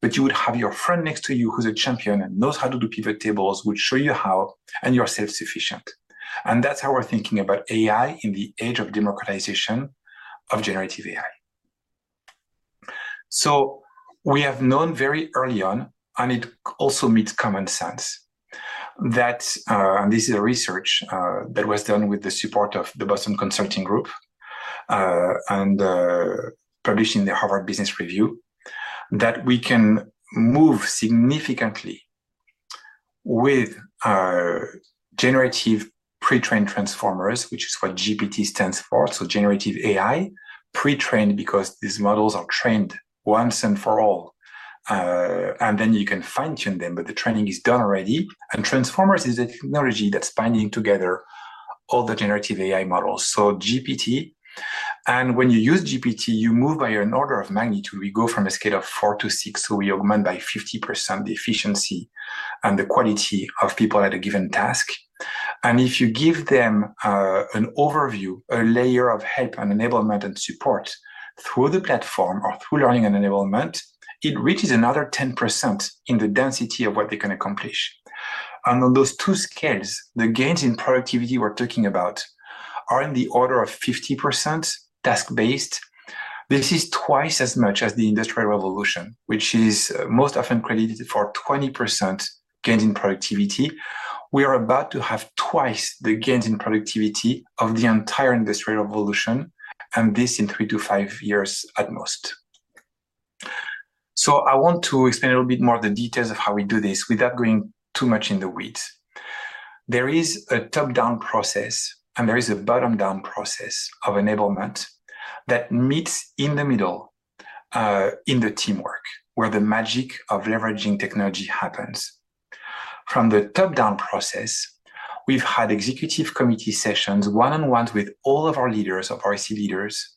but you would have your friend next to you who's a champion and knows how to do pivot tables, would show you how, and you're self-sufficient. And that's how we're thinking about AI in the age of democratization of generative AI. So we have known very early on, and it also makes common sense, that... This is a research that was done with the support of the Boston Consulting Group and published in the Harvard Business Review, that we can move significantly with generative pre-trained transformers, which is what GPT stands for, so generative AI. Pre-trained, because these models are trained once and for all, and then you can fine-tune them, but the training is done already. And transformers is a technology that's binding together all the generative AI models, so GPT. And when you use GPT, you move by an order of magnitude. We go from a scale of four to six, so we augment by 50% the efficiency and the quality of people at a given task. And if you give them an overview, a layer of help and enablement and support through the platform or through learning and enablement, it reaches another 10% in the density of what they can accomplish. And on those two scales, the gains in productivity we're talking about are in the order of 50% task-based. This is twice as much as the Industrial Revolution, which is most often credited for 20% gain in productivity. We are about to have twice the gains in productivity of the entire Industrial Revolution, and this in three to five years at most. So I want to explain a little bit more of the details of how we do this without going too much in the weeds. There is a top-down process, and there is a bottom-down process of enablement that meets in the middle, in the teamwork, where the magic of leveraging technology happens. From the top-down process, we've had executive committee sessions, one-on-ones with all of our leaders, our RC leaders.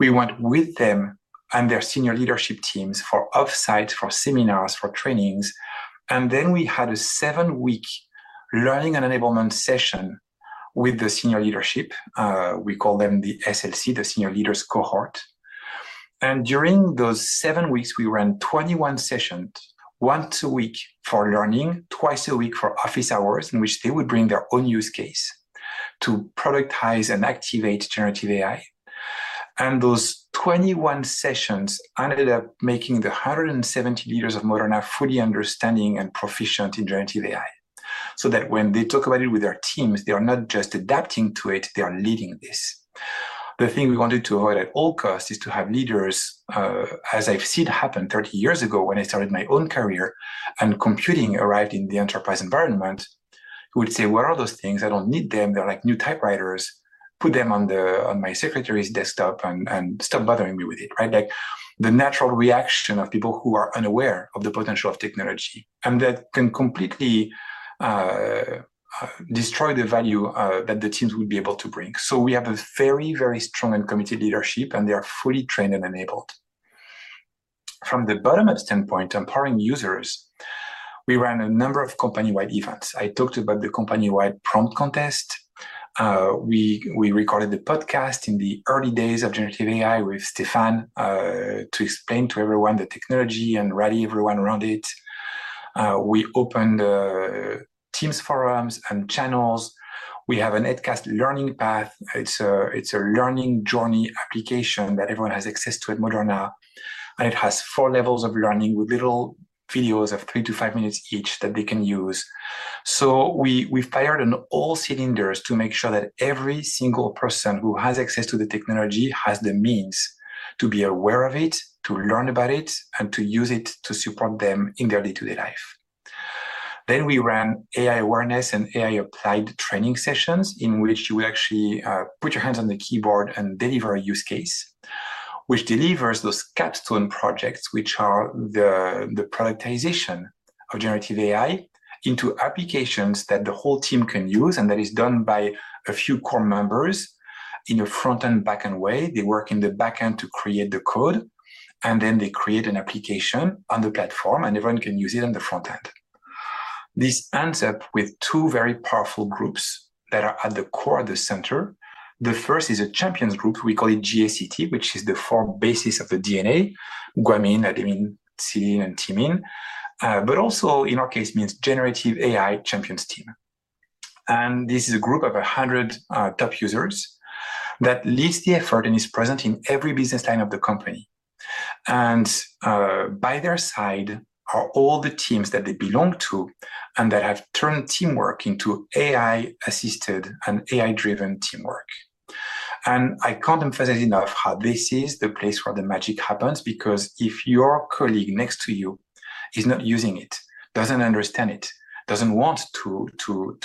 We went with them and their senior leadership teams for off-site, for seminars, for trainings, and then we had a seven-week learning and enablement session with the senior leadership. We call them the SLC, the senior leaders cohort. And during those seven weeks, we ran 21 sessions, once a week for learning, twice a week for office hours, in which they would bring their own use case to productize and activate generative AI. Those 21 sessions ended up making the 170 leaders of Moderna fully understanding and proficient in generative AI, so that when they talk about it with their teams, they are not just adapting to it, they are leading this. The thing we wanted to avoid at all costs is to have leaders, as I've seen happen 30 years ago when I started my own career and computing arrived in the enterprise environment, who would say: "What are those things? I don't need them. They're like new typewriters. Put them on the, on my secretary's desktop and, and stop bothering me with it," right? Like, the natural reaction of people who are unaware of the potential of technology, and that can completely destroy the value that the teams would be able to bring. So we have a very, very strong and committed leadership, and they are fully trained and enabled. From the bottom-up standpoint, empowering users, we ran a number of company-wide events. I talked about the company-wide prompt contest. We recorded the podcast in the early days of generative AI with Stéphane, to explain to everyone the technology and rally everyone around it. We opened teams, forums, and channels. We have a EdCast learning path. It's a learning journey application that everyone has access to at Moderna, and it has four levels of learning with little videos of three to five minutes each that they can use. So we fired on all cylinders to make sure that every single person who has access to the technology has the means to be aware of it, to learn about it, and to use it to support them in their day-to-day life. Then we ran AI awareness and AI applied training sessions, in which you actually put your hands on the keyboard and deliver a use case, which delivers those capstone projects, which are the productization of generative AI into applications that the whole team can use, and that is done by a few core members in a front-end, back-end way. They work in the back end to create the code, and then they create an application on the platform, and everyone can use it on the front end. This ends up with two very powerful groups that are at the core, the center. The first is a champions group. We call it GACT, which is the four bases of the DNA, guanine, adenine, cytosine, and thymine. But also, in our case, means generative AI champions team. And this is a group of 100, top users that leads the effort and is present in every business line of the company. And by their side are all the teams that they belong to and that have turned teamwork into AI-assisted and AI-driven teamwork. And I can't emphasize enough how this is the place where the magic happens, because if your colleague next to you is not using it, doesn't understand it, doesn't want to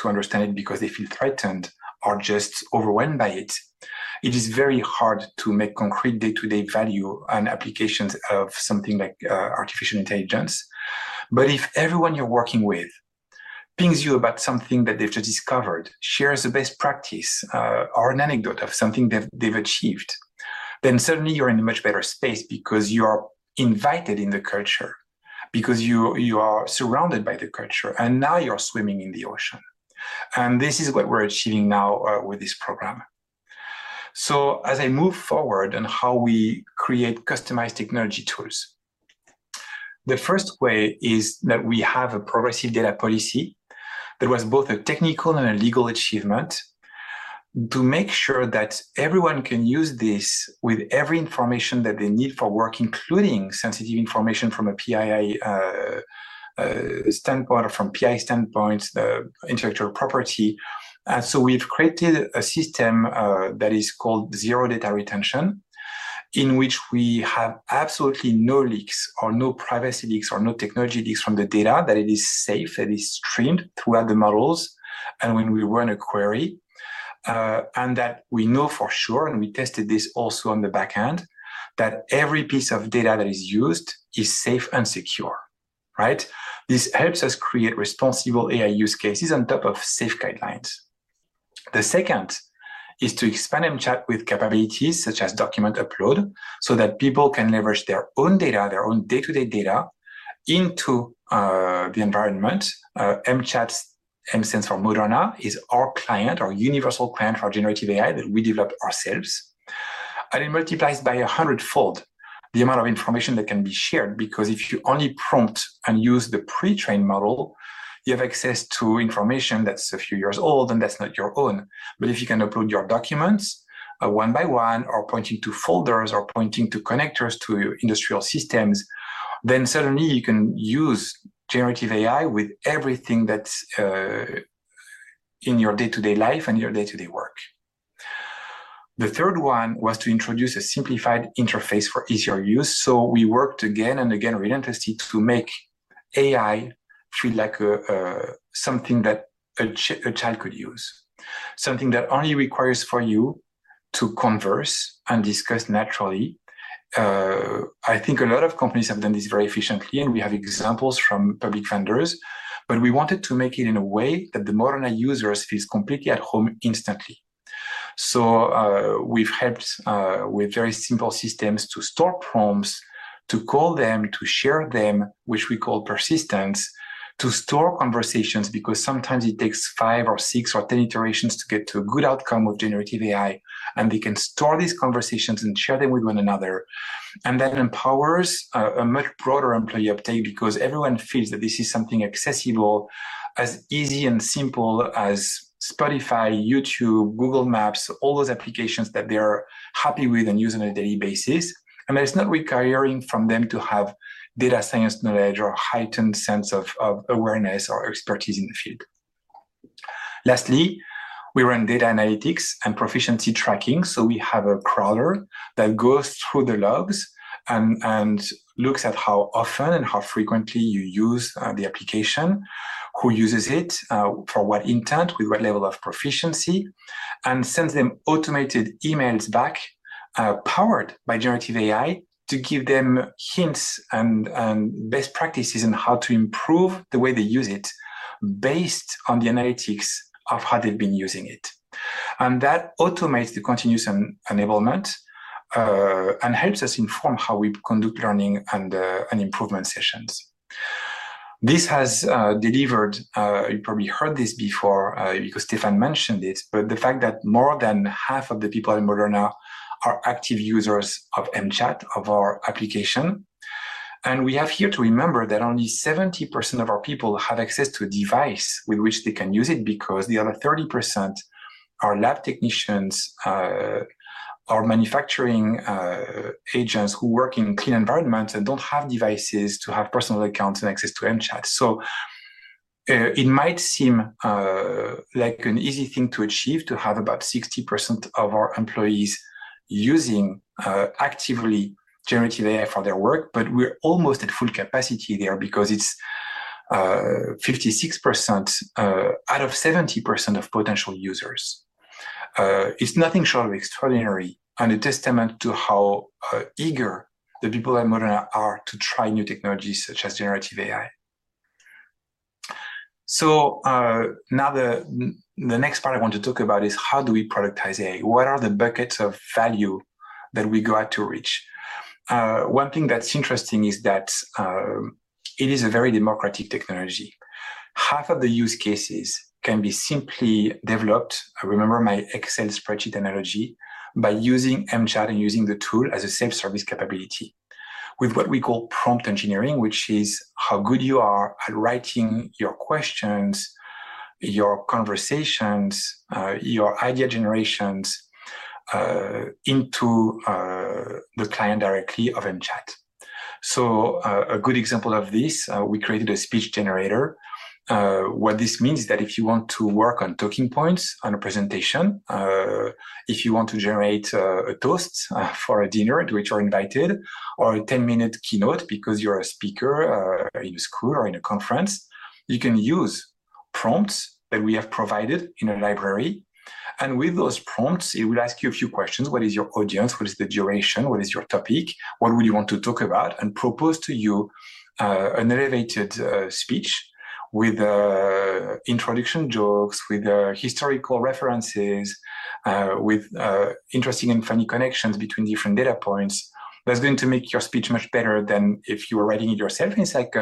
understand it, because they feel threatened or just overwhelmed by it, it is very hard to make concrete day-to-day value and applications of something like artificial intelligence. But if everyone you're working with pings you about something that they've just discovered, shares a best practice, or an anecdote of something they've, they've achieved, then suddenly you're in a much better space because you are invited in the culture, because you, you are surrounded by the culture, and now you're swimming in the ocean. And this is what we're achieving now with this program. So as I move forward on how we create customized technology tools, the first way is that we have a privacy data policy that was both a technical and a legal achievement, to make sure that everyone can use this with every information that they need for work, including sensitive information from a PII standpoint or from PI standpoint, the intellectual property. So we've created a system that is called zero data retention, in which we have absolutely no leaks or no privacy leaks or no technology leaks from the data, that it is safe, it is streamed throughout the models, and when we run a query, and that we know for sure, and we tested this also on the back end, that every piece of data that is used is safe and secure, right? This helps us create responsible AI use cases on top of safe guidelines. The second is to expand mChat with capabilities such as document upload, so that people can leverage their own data, their own day-to-day data, into the environment. mChat's instance for Moderna is our client, our universal client for generative AI, that we developed ourselves. It multiplies by a hundredfold the amount of information that can be shared, because if you only prompt and use the pre-trained model, you have access to information that's a few years old and that's not your own. But if you can upload your documents one by one, or pointing to folders or pointing to connectors to your industrial systems, then suddenly you can use generative AI with everything that's in your day-to-day life and your day-to-day work. The third one was to introduce a simplified interface for easier use. So we worked again and again relentlessly to make AI feel like a something that a child could use. Something that only requires for you to converse and discuss naturally. I think a lot of companies have done this very efficiently, and we have examples from public vendors, but we wanted to make it in a way that the Moderna users feels completely at home instantly. So, we've helped with very simple systems to store prompts, to call them, to share them, which we call persistence, to store conversations, because sometimes it takes five or six or 10 iterations to get to a good outcome of generative AI, and they can store these conversations and share them with one another. And that empowers a much broader employee uptake because everyone feels that this is something accessible, as easy and simple as Spotify, YouTube, Google Maps, all those applications that they are happy with and use on a daily basis. And it's not requiring from them to have data science knowledge or a heightened sense of awareness or expertise in the field. Lastly, we run data analytics and proficiency tracking. So we have a crawler that goes through the logs and looks at how often and how frequently you use the application, who uses it for what intent, with what level of proficiency, and sends them automated emails back powered by generative AI to give them hints and best practices on how to improve the way they use it based on the analytics of how they've been using it. And that automates the continuous enablement and helps us inform how we conduct learning and improvement sessions. This has delivered you probably heard this before because Stéphane mentioned it but the fact that more than half of the people in Moderna are active users of mChat of our application. We have here to remember that only 70% of our people have access to a device with which they can use it because the other 30% are lab technicians or manufacturing agents who work in clean environments and don't have devices to have personal accounts and access to mChat. It might seem like an easy thing to achieve to have about 60% of our employees using actively generative AI for their work but we're almost at full capacity there because it's 56% out of 70% of potential users. It's nothing short of extraordinary, and a testament to how eager the people at Moderna are to try new technologies such as generative AI. So, now the next part I want to talk about is how do we productize AI? What are the buckets of value that we go out to reach? One thing that's interesting is that it is a very democratic technology. Half of the use cases can be simply developed, remember my Excel spreadsheet analogy, by using mChat and using the tool as a self-service capability with what we call prompt engineering, which is how good you are at writing your questions, your conversations, your idea generations into the client directly of mChat. So, a good example of this, we created a speech generator. What this means is that if you want to work on talking points on a presentation, if you want to generate a toast for a dinner to which you're invited, or a 10-minute keynote because you're a speaker in school or in a conference, you can use prompts that we have provided in a library, and with those prompts, it will ask you a few questions: What is your audience? What is the duration? What is your topic? What would you want to talk about? And propose to you an elevated speech with introduction jokes, with historical references, with interesting and funny connections between different data points. That's going to make your speech much better than if you were writing it yourself. It's like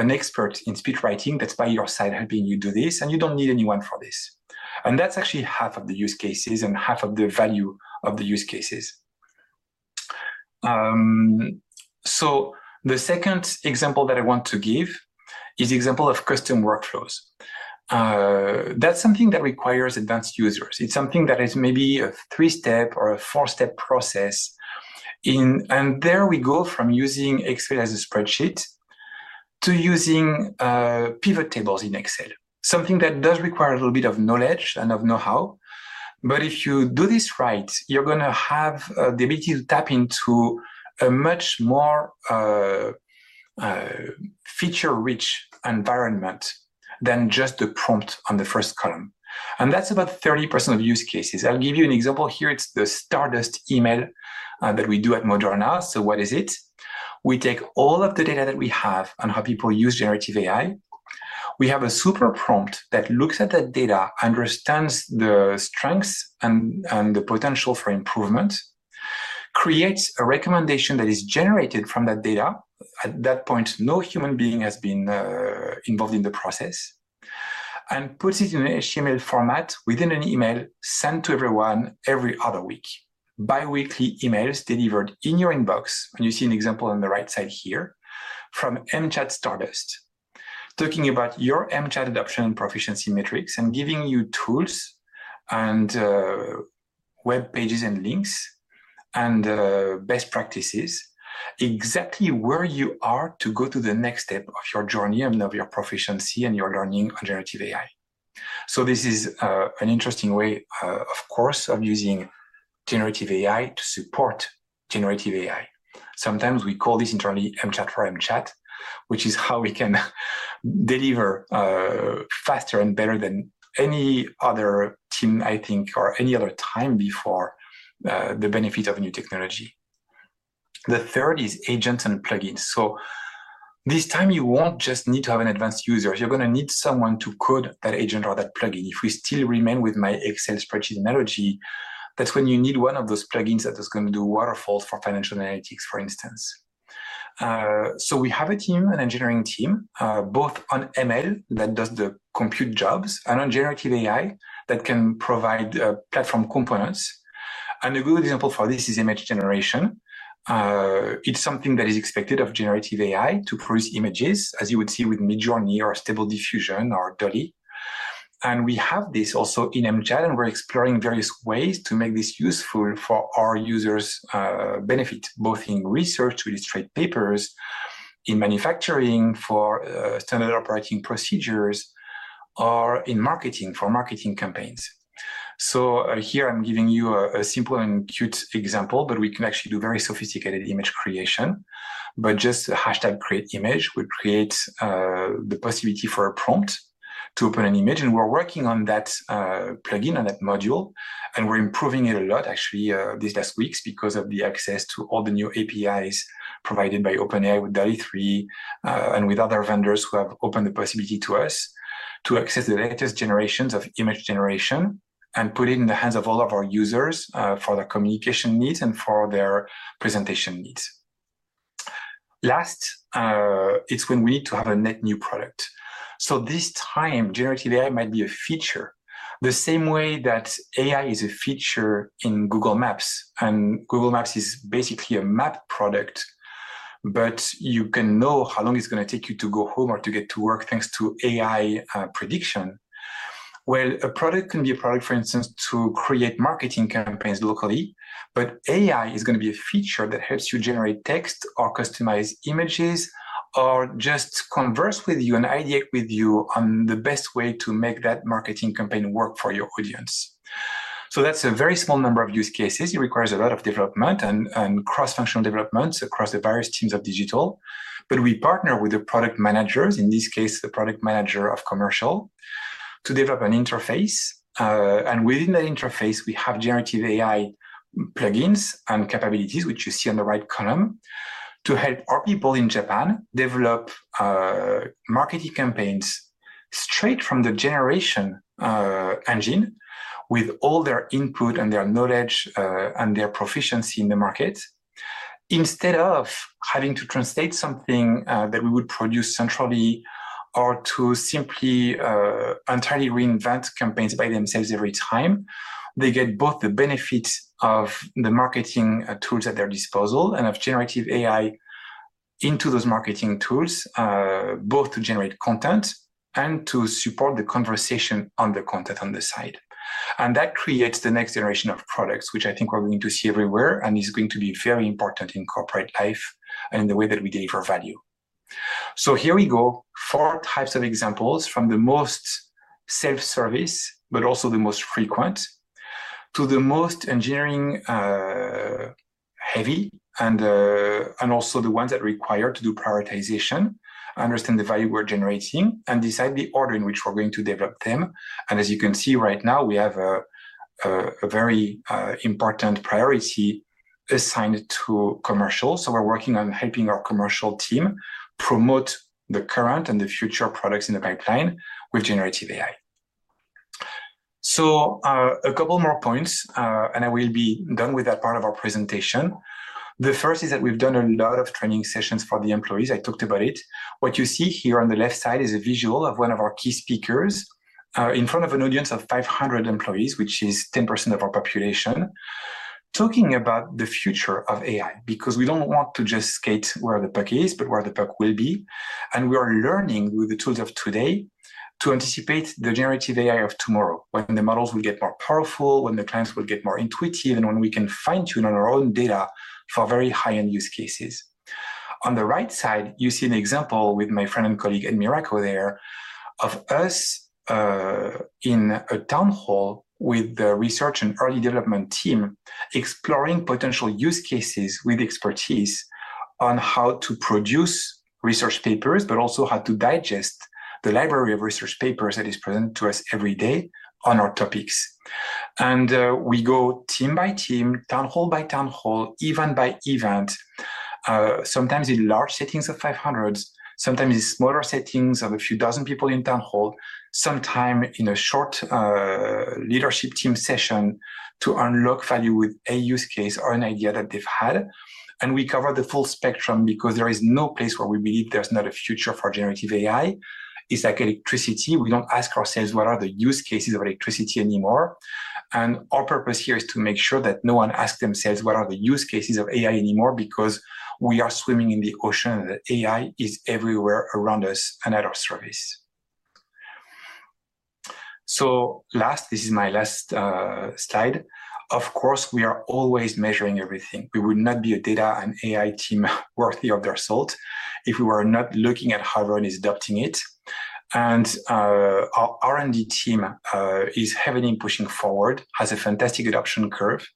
a, an expert in speech writing that's by your side, helping you do this, and you don't need anyone for this. And that's actually half of the use cases and half of the value of the use cases. So the second example that I want to give is the example of custom workflows. That's something that requires advanced users. It's something that is maybe a three-step or a four-step process. And there we go from using Excel as a spreadsheet to using pivot tables in Excel, something that does require a little bit of knowledge and of know-how. But if you do this right, you're gonna have the ability to tap into a much more feature-rich environment than just the prompt on the first column. And that's about 30% of use cases. I'll give you an example here. It's the Stardust email that we do at Moderna. So what is it? We take all of the data that we have on how people use generative AI. We have a super prompt that looks at that data, understands the strengths and, and the potential for improvement, creates a recommendation that is generated from that data. At that point, no human being has been involved in the process, and puts it in an HTML format within an email sent to everyone every other week. Bi-weekly emails delivered in your inbox, and you see an example on the right side here, from mChat Stardust, talking about your mChat adoption and proficiency metrics, and giving you tools and web pages and links and best practices, exactly where you are to go to the next step of your journey and of your proficiency and your learning on generative AI. So this is an interesting way, of course, of using generative AI to support generative AI. Sometimes we call this internally mChat for mChat, which is how we can deliver faster and better than any other team, I think, or any other time before the benefit of new technology. The third is agents and plugins. So this time, you won't just need to have an advanced user, you're gonna need someone to code that agent or that plugin. If we still remain with my Excel spreadsheet analogy, that's when you need one of those plugins that is gonna do waterfalls for financial analytics, for instance. So we have a team, an engineering team, both on ML that does the compute jobs and on generative AI, that can provide platform components. And a good example for this is image generation. It's something that is expected of generative AI, to produce images, as you would see with Midjourney or Stable Diffusion or DALL-E. And we have this also in mChat, and we're exploring various ways to make this useful for our users' benefit, both in research to illustrate papers, in manufacturing for standard operating procedures or in marketing for marketing campaigns. So here I'm giving you a simple and cute example, but we can actually do very sophisticated image creation. But just the hashtag create image will create the possibility for a prompt to open an image, and we're working on that plugin and that module, and we're improving it a lot actually these last weeks because of the access to all the new APIs provided by OpenAI with DALL-E 3, and with other vendors who have opened the possibility to us to access the latest generations of image generation and put it in the hands of all of our users for their communication needs and for their presentation needs. Last, it's when we need to have a net new product. So this time, generative AI might be a feature, the same way that AI is a feature in Google Maps, and Google Maps is basically a map product, but you can know how long it's going to take you to go home or to get to work, thanks to AI prediction. Well, a product can be a product, for instance, to create marketing campaigns locally, but AI is going to be a feature that helps you generate text or customize images, or just converse with you and ideate with you on the best way to make that marketing campaign work for your audience. So that's a very small number of use cases. It requires a lot of development and cross-functional developments across the various teams of digital. But we partner with the product managers, in this case, the product manager of commercial, to develop an interface. And within that interface, we have generative AI plugins and capabilities, which you see on the right column, to help our people in Japan develop marketing campaigns straight from the generation engine, with all their input and their knowledge, and their proficiency in the market. Instead of having to translate something that we would produce centrally or to simply entirely reinvent campaigns by themselves every time, they get both the benefit of the marketing tools at their disposal and of generative AI into those marketing tools, both to generate content and to support the conversation on the content on the side. And that creates the next generation of products, which I think we're going to see everywhere, and is going to be very important in corporate life and the way that we deliver value. So here we go. Four types of examples, from the most self-service, but also the most frequent, to the most engineering heavy, and also the ones that require to do prioritization, understand the value we're generating, and decide the order in which we're going to develop them. And as you can see right now, we have a very important priority assigned to commercial. So we're working on helping our commercial team promote the current and the future products in the pipeline with generative AI. So, a couple more points, and I will be done with that part of our presentation. The first is that we've done a lot of training sessions for the employees. I talked about it. What you see here on the left side is a visual of one of our key speakers in front of an audience of 500 employees, which is 10% of our population, talking about the future of AI, because we don't want to just skate where the puck is, but where the puck will be. And we are learning with the tools of today to anticipate the generative AI of tomorrow, when the models will get more powerful, when the clients will get more intuitive, and when we can fine-tune on our own data for very high-end use cases. On the right side, you see an example with my friend and colleague, Ed Miracco, there, of us, in a town hall with the research and early development team, exploring potential use cases with expertise on how to produce research papers, but also how to digest the library of research papers that is presented to us every day on our topics. We go team by team, town hall by town hall, event by event, sometimes in large settings of 500s, sometimes in smaller settings of a few dozen people in town hall, sometime in a short, leadership team session to unlock value with a use case or an idea that they've had. We cover the full spectrum because there is no place where we believe there's not a future for generative AI. It's like electricity. We don't ask ourselves what are the use cases of electricity anymore. Our purpose here is to make sure that no one asks themselves what are the use cases of AI anymore, because we are swimming in the ocean, and AI is everywhere around us and at our service. So last, this is my last, slide. Of course, we are always measuring everything. We would not be a data and AI team worthy of their salt if we were not looking at how everyone is adopting it. Our R&D team is heavily pushing forward, has a fantastic adoption curve.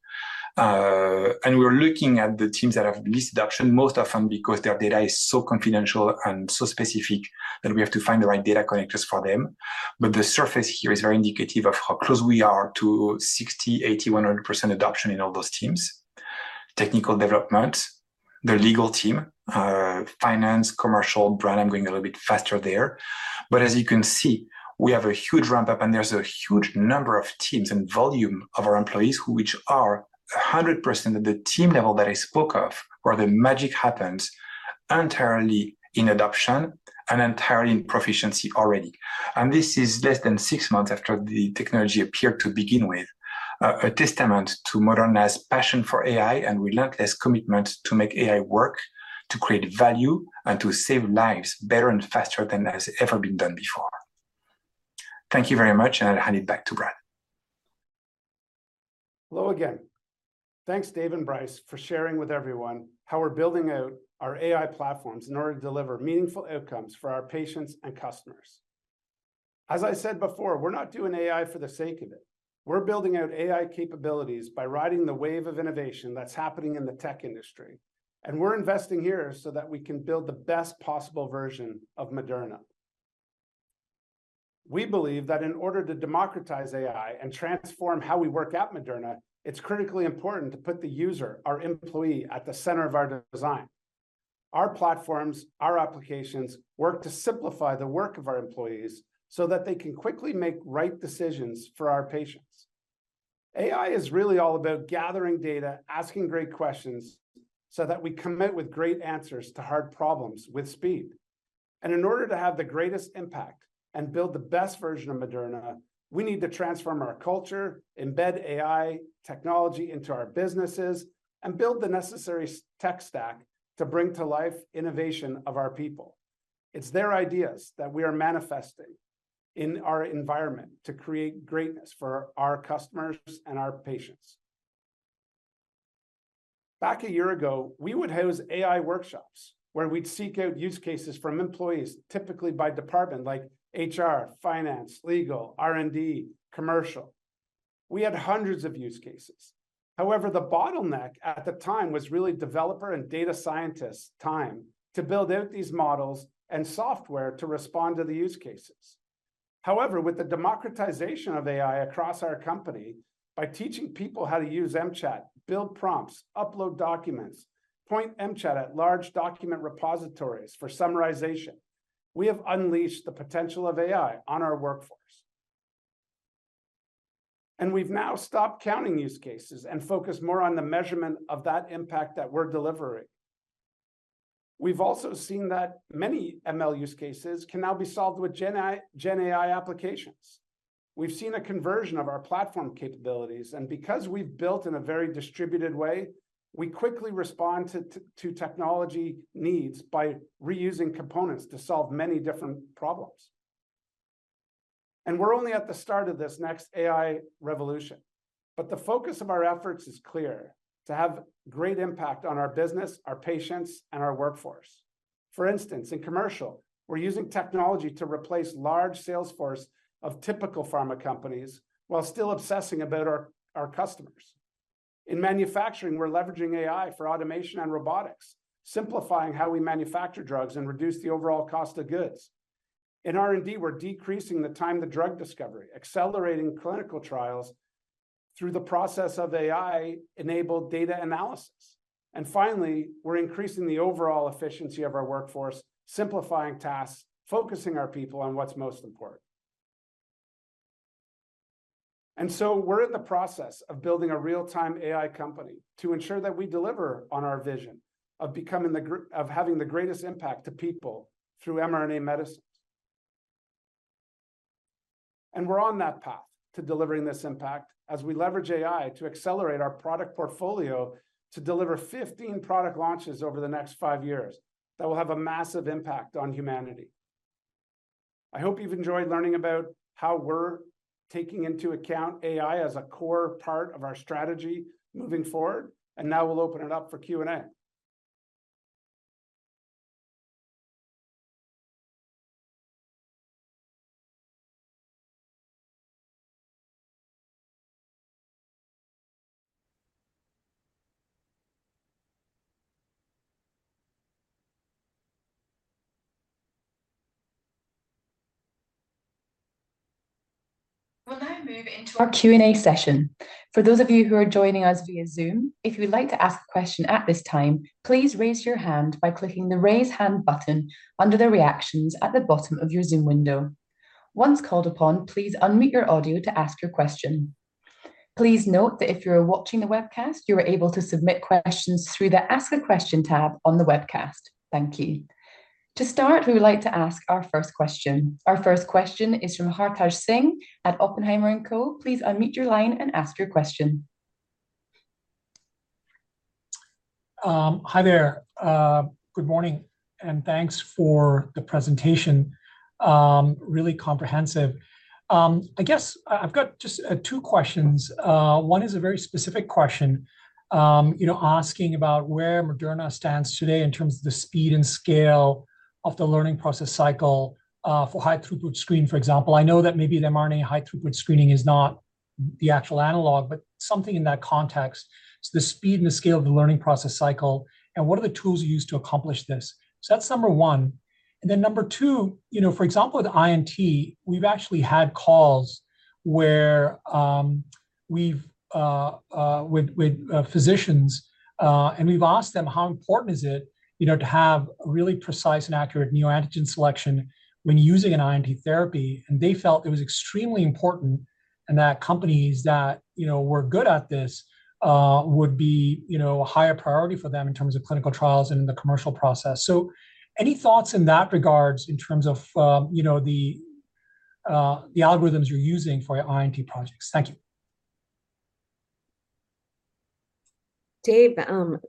And we're looking at the teams that have least adoption, most often because their data is so confidential and so specific that we have to find the right data connectors for them. But the surface here is very indicative of how close we are to 60%, 80%, 100% adoption in all those teams. Technical development, the legal team, finance, commercial, brand, I'm going a little bit faster there. But as you can see, we have a huge ramp-up, and there's a huge number of teams and volume of our employees which are 100% at the team level that I spoke of, where the magic happens, entirely in adoption and entirely in proficiency already. And this is less than six months after the technology appeared to begin with, a testament to Moderna's passion for AI and relentless commitment to make AI work, to create value, and to save lives better and faster than has ever been done before. Thank you very much, and I'll hand it back to Brad.... Hello again. Thanks, Dave and Brice, for sharing with everyone how we're building out our AI platforms in order to deliver meaningful outcomes for our patients and customers. As I said before, we're not doing AI for the sake of it. We're building out AI capabilities by riding the wave of innovation that's happening in the tech industry, and we're investing here so that we can build the best possible version of Moderna. We believe that in order to democratize AI and transform how we work at Moderna, it's critically important to put the user, our employee, at the center of our design. Our platforms, our applications, work to simplify the work of our employees so that they can quickly make right decisions for our patients. AI is really all about gathering data, asking great questions, so that we come out with great answers to hard problems with speed. In order to have the greatest impact and build the best version of Moderna, we need to transform our culture, embed AI technology into our businesses, and build the necessary tech stack to bring to life innovation of our people. It's their ideas that we are manifesting in our environment to create greatness for our customers and our patients. Back a year ago, we would host AI workshops, where we'd seek out use cases from employees, typically by department, like HR, Finance, Legal, R&D, Commercial. We had hundreds of use cases. However, the bottleneck at the time was really developer and data scientists' time to build out these models and software to respond to the use cases. However, with the democratization of AI across our company, by teaching people how to use mChat, build prompts, upload documents, point mChat at large document repositories for summarization, we have unleashed the potential of AI on our workforce. We've now stopped counting use cases and focused more on the measurement of that impact that we're delivering. We've also seen that many ML use cases can now be solved with GenAI applications. We've seen a conversion of our platform capabilities, and because we've built in a very distributed way, we quickly respond to technology needs by reusing components to solve many different problems. We're only at the start of this next AI revolution, but the focus of our efforts is clear: to have great impact on our business, our patients, and our workforce. For instance, in commercial, we're using technology to replace large sales force of typical pharma companies while still obsessing about our, our customers. In manufacturing, we're leveraging AI for automation and robotics, simplifying how we manufacture drugs and reduce the overall cost of goods. In R&D, we're decreasing the time to drug discovery, accelerating clinical trials through the process of AI-enabled data analysis. Finally, we're increasing the overall efficiency of our workforce, simplifying tasks, focusing our people on what's most important. So we're in the process of building a real-time AI company to ensure that we deliver on our vision of becoming the gr-- of having the greatest impact to people through mRNA medicines. We're on that path to delivering this impact as we leverage AI to accelerate our product portfolio to deliver 15 product launches over the next five years that will have a massive impact on humanity. I hope you've enjoyed learning about how we're taking into account AI as a core part of our strategy moving forward, and now we'll open it up for Q&A. We'll now move into our Q&A session. For those of you who are joining us via Zoom, if you would like to ask a question at this time, please raise your hand by clicking the Raise Hand button under the Reactions at the bottom of your Zoom window. Once called upon, please unmute your audio to ask your question. Please note that if you are watching the webcast, you are able to submit questions through the Ask a Question tab on the webcast. Thank you. To start, we would like to ask our first question. Our first question is from Hartaj Singh at Oppenheimer & Co. Please unmute your line and ask your question. Hi there. Good morning, and thanks for the presentation. Really comprehensive. I guess I've got just two questions. One is a very specific question, you know, asking about where Moderna stands today in terms of the speed and scale of the learning process cycle, for high-throughput screen, for example. I know that maybe the mRNA high-throughput screening is not the actual analog, but something in that context. So the speed and the scale of the learning process cycle, and what are the tools you use to accomplish this? So that's number one. And then number two, you know, for example, with INT, we've actually had calls where we've with physicians, and we've asked them: how important is it, you know, to have a really precise and accurate neoantigen selection when using an INT therapy? And they felt it was extremely important and that companies that, you know, were good at this, would be, you know, a higher priority for them in terms of clinical trials and in the commercial process. So any thoughts in that regards, in terms of, you know, the, the algorithms you're using for your INT projects? Thank you. ... Dave,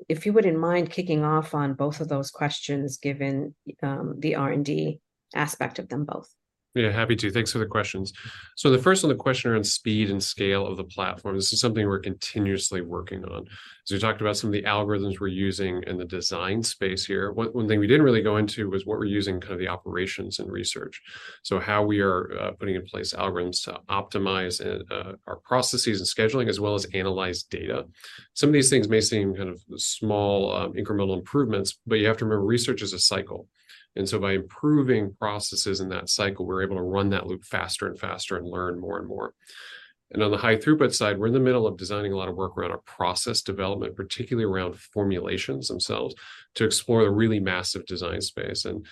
if you wouldn't mind kicking off on both of those questions, given the R&D aspect of them both. Yeah, happy to. Thanks for the questions. So the first one, the question around speed and scale of the platform, this is something we're continuously working on. So we talked about some of the algorithms we're using in the design space here. One thing we didn't really go into was what we're using, kind of the operations and research. So how we are putting in place algorithms to optimize our processes and scheduling, as well as analyze data. Some of these things may seem kind of small incremental improvements, but you have to remember, research is a cycle, and so by improving processes in that cycle, we're able to run that loop faster and faster and learn more and more. And on the high throughput side, we're in the middle of designing a lot of work around our process development, particularly around formulations themselves, to explore the really massive design space. And,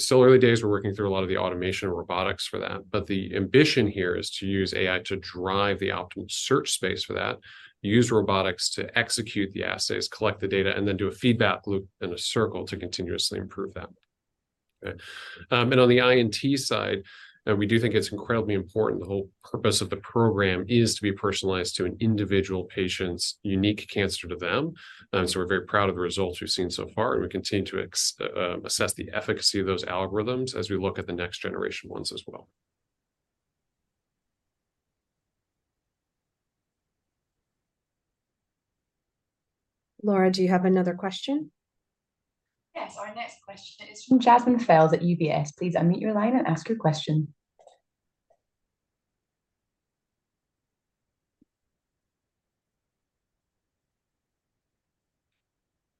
still early days, we're working through a lot of the automation and robotics for that, but the ambition here is to use AI to drive the optimal search space for that, use robotics to execute the assays, collect the data, and then do a feedback loop and a circle to continuously improve that. And on the INT side, we do think it's incredibly important. The whole purpose of the program is to be personalized to an individual patient's unique cancer to them. So, we're very proud of the results we've seen so far, and we continue to assess the efficacy of those algorithms as we look at the next generation ones as well. Laura, do you have another question? Yes, our next question is from Jasmine Fels at UBS. Please unmute your line and ask your question.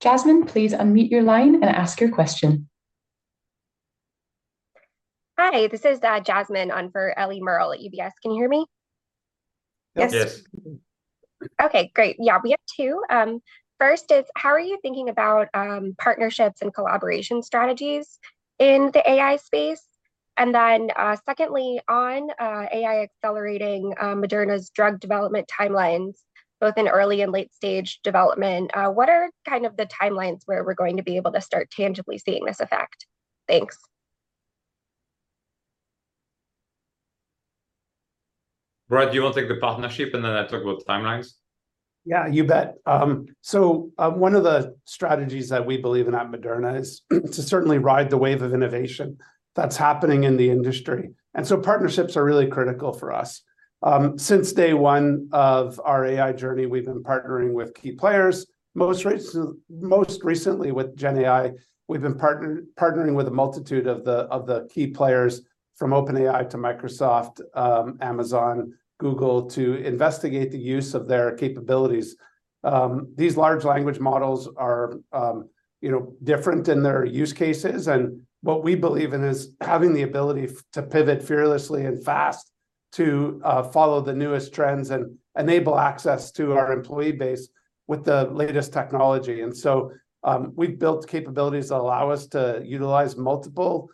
Jasmine, please unmute your line and ask your question. Hi, this is Jasmine on for Ellie Merle at UBS. Can you hear me? Yes. Yes. Okay, great. Yeah, we have two. First is, how are you thinking about partnerships and collaboration strategies in the AI space? And then, secondly, on AI accelerating Moderna's drug development timelines, both in early and late-stage development, what are kind of the timelines where we're going to be able to start tangibly seeing this effect? Thanks. Brad, do you want to take the partnership, and then I talk about the timelines? Yeah, you bet. So, one of the strategies that we believe in at Moderna is to certainly ride the wave of innovation that's happening in the industry, and so partnerships are really critical for us. Since day one of our AI journey, we've been partnering with key players. Most recently with GenAI, we've been partnering with a multitude of the key players, from OpenAI to Microsoft, Amazon, Google, to investigate the use of their capabilities. These large language models are, you know, different in their use cases, and what we believe in is having the ability to pivot fearlessly and fast to follow the newest trends and enable access to our employee base with the latest technology. And so, we've built capabilities that allow us to utilize multiple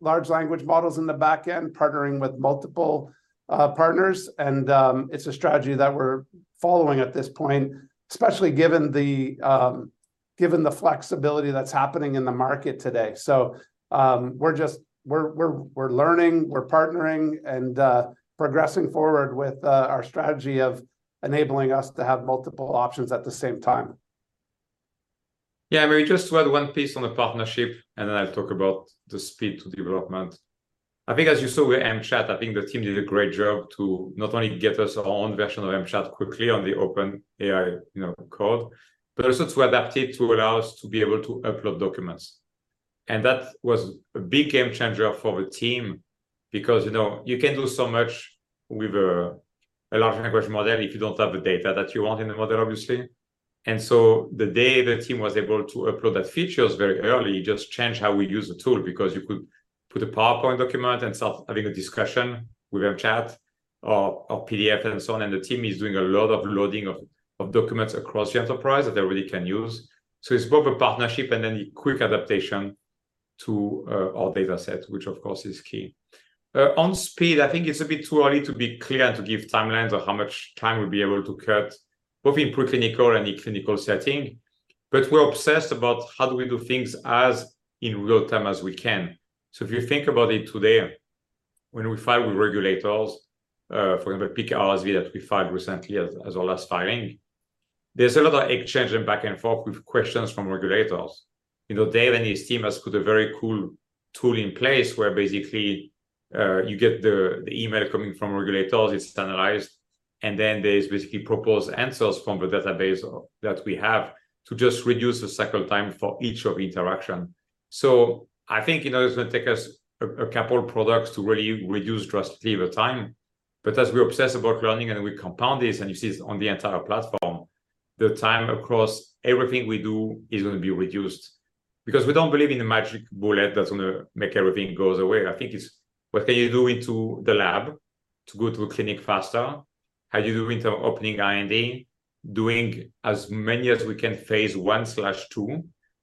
large language models in the back end, partnering with multiple partners, and it's a strategy that we're following at this point, especially given the flexibility that's happening in the market today. So, we're just learning, we're partnering, and progressing forward with our strategy of enabling us to have multiple options at the same time. Yeah, may I just add one piece on the partnership, and then I'll talk about the speed to development. I think as you saw with mChat, I think the team did a great job to not only get us our own version of mChat quickly on the OpenAI, you know, code, but also to adapt it to allow us to be able to upload documents. And that was a big game changer for the team because, you know, you can do so much with a, a large language model if you don't have the data that you want in the model, obviously. And so the day the team was able to upload that feature very early, just changed how we use the tool, because you could put a PowerPoint document and start having a discussion with mChat or PDF and so on, and the team is doing a lot of loading of documents across the enterprise that everybody can use. So it's both a partnership and then a quick adaptation to our data set, which of course is key. On speed, I think it's a bit too early to be clear and to give timelines of how much time we'll be able to cut, both in preclinical and in clinical setting. But we're obsessed about how do we do things as in real time as we can. So, if you think about it today, when we file with regulators, for example, (inaudible) that we filed recently as our last filing, there's a lot of exchanging back and forth with questions from regulators. You know, Dave and his team has put a very cool tool in place where basically you get the email coming from regulators, it's standardized, and then there is basically proposed answers from the database that we have to just reduce the cycle time for each of interaction. So, I think, you know, it's gonna take us a couple products to really reduce drastically the time, but as we obsess about learning and we compound this, and you see this on the entire platform, the time across everything we do is gonna be reduced. Because we don't believe in the magic bullet that's gonna make everything goes away. I think it's what can you do into the lab to go to a clinic faster? How do you do into opening R&D, doing as many as we can, phase I/II,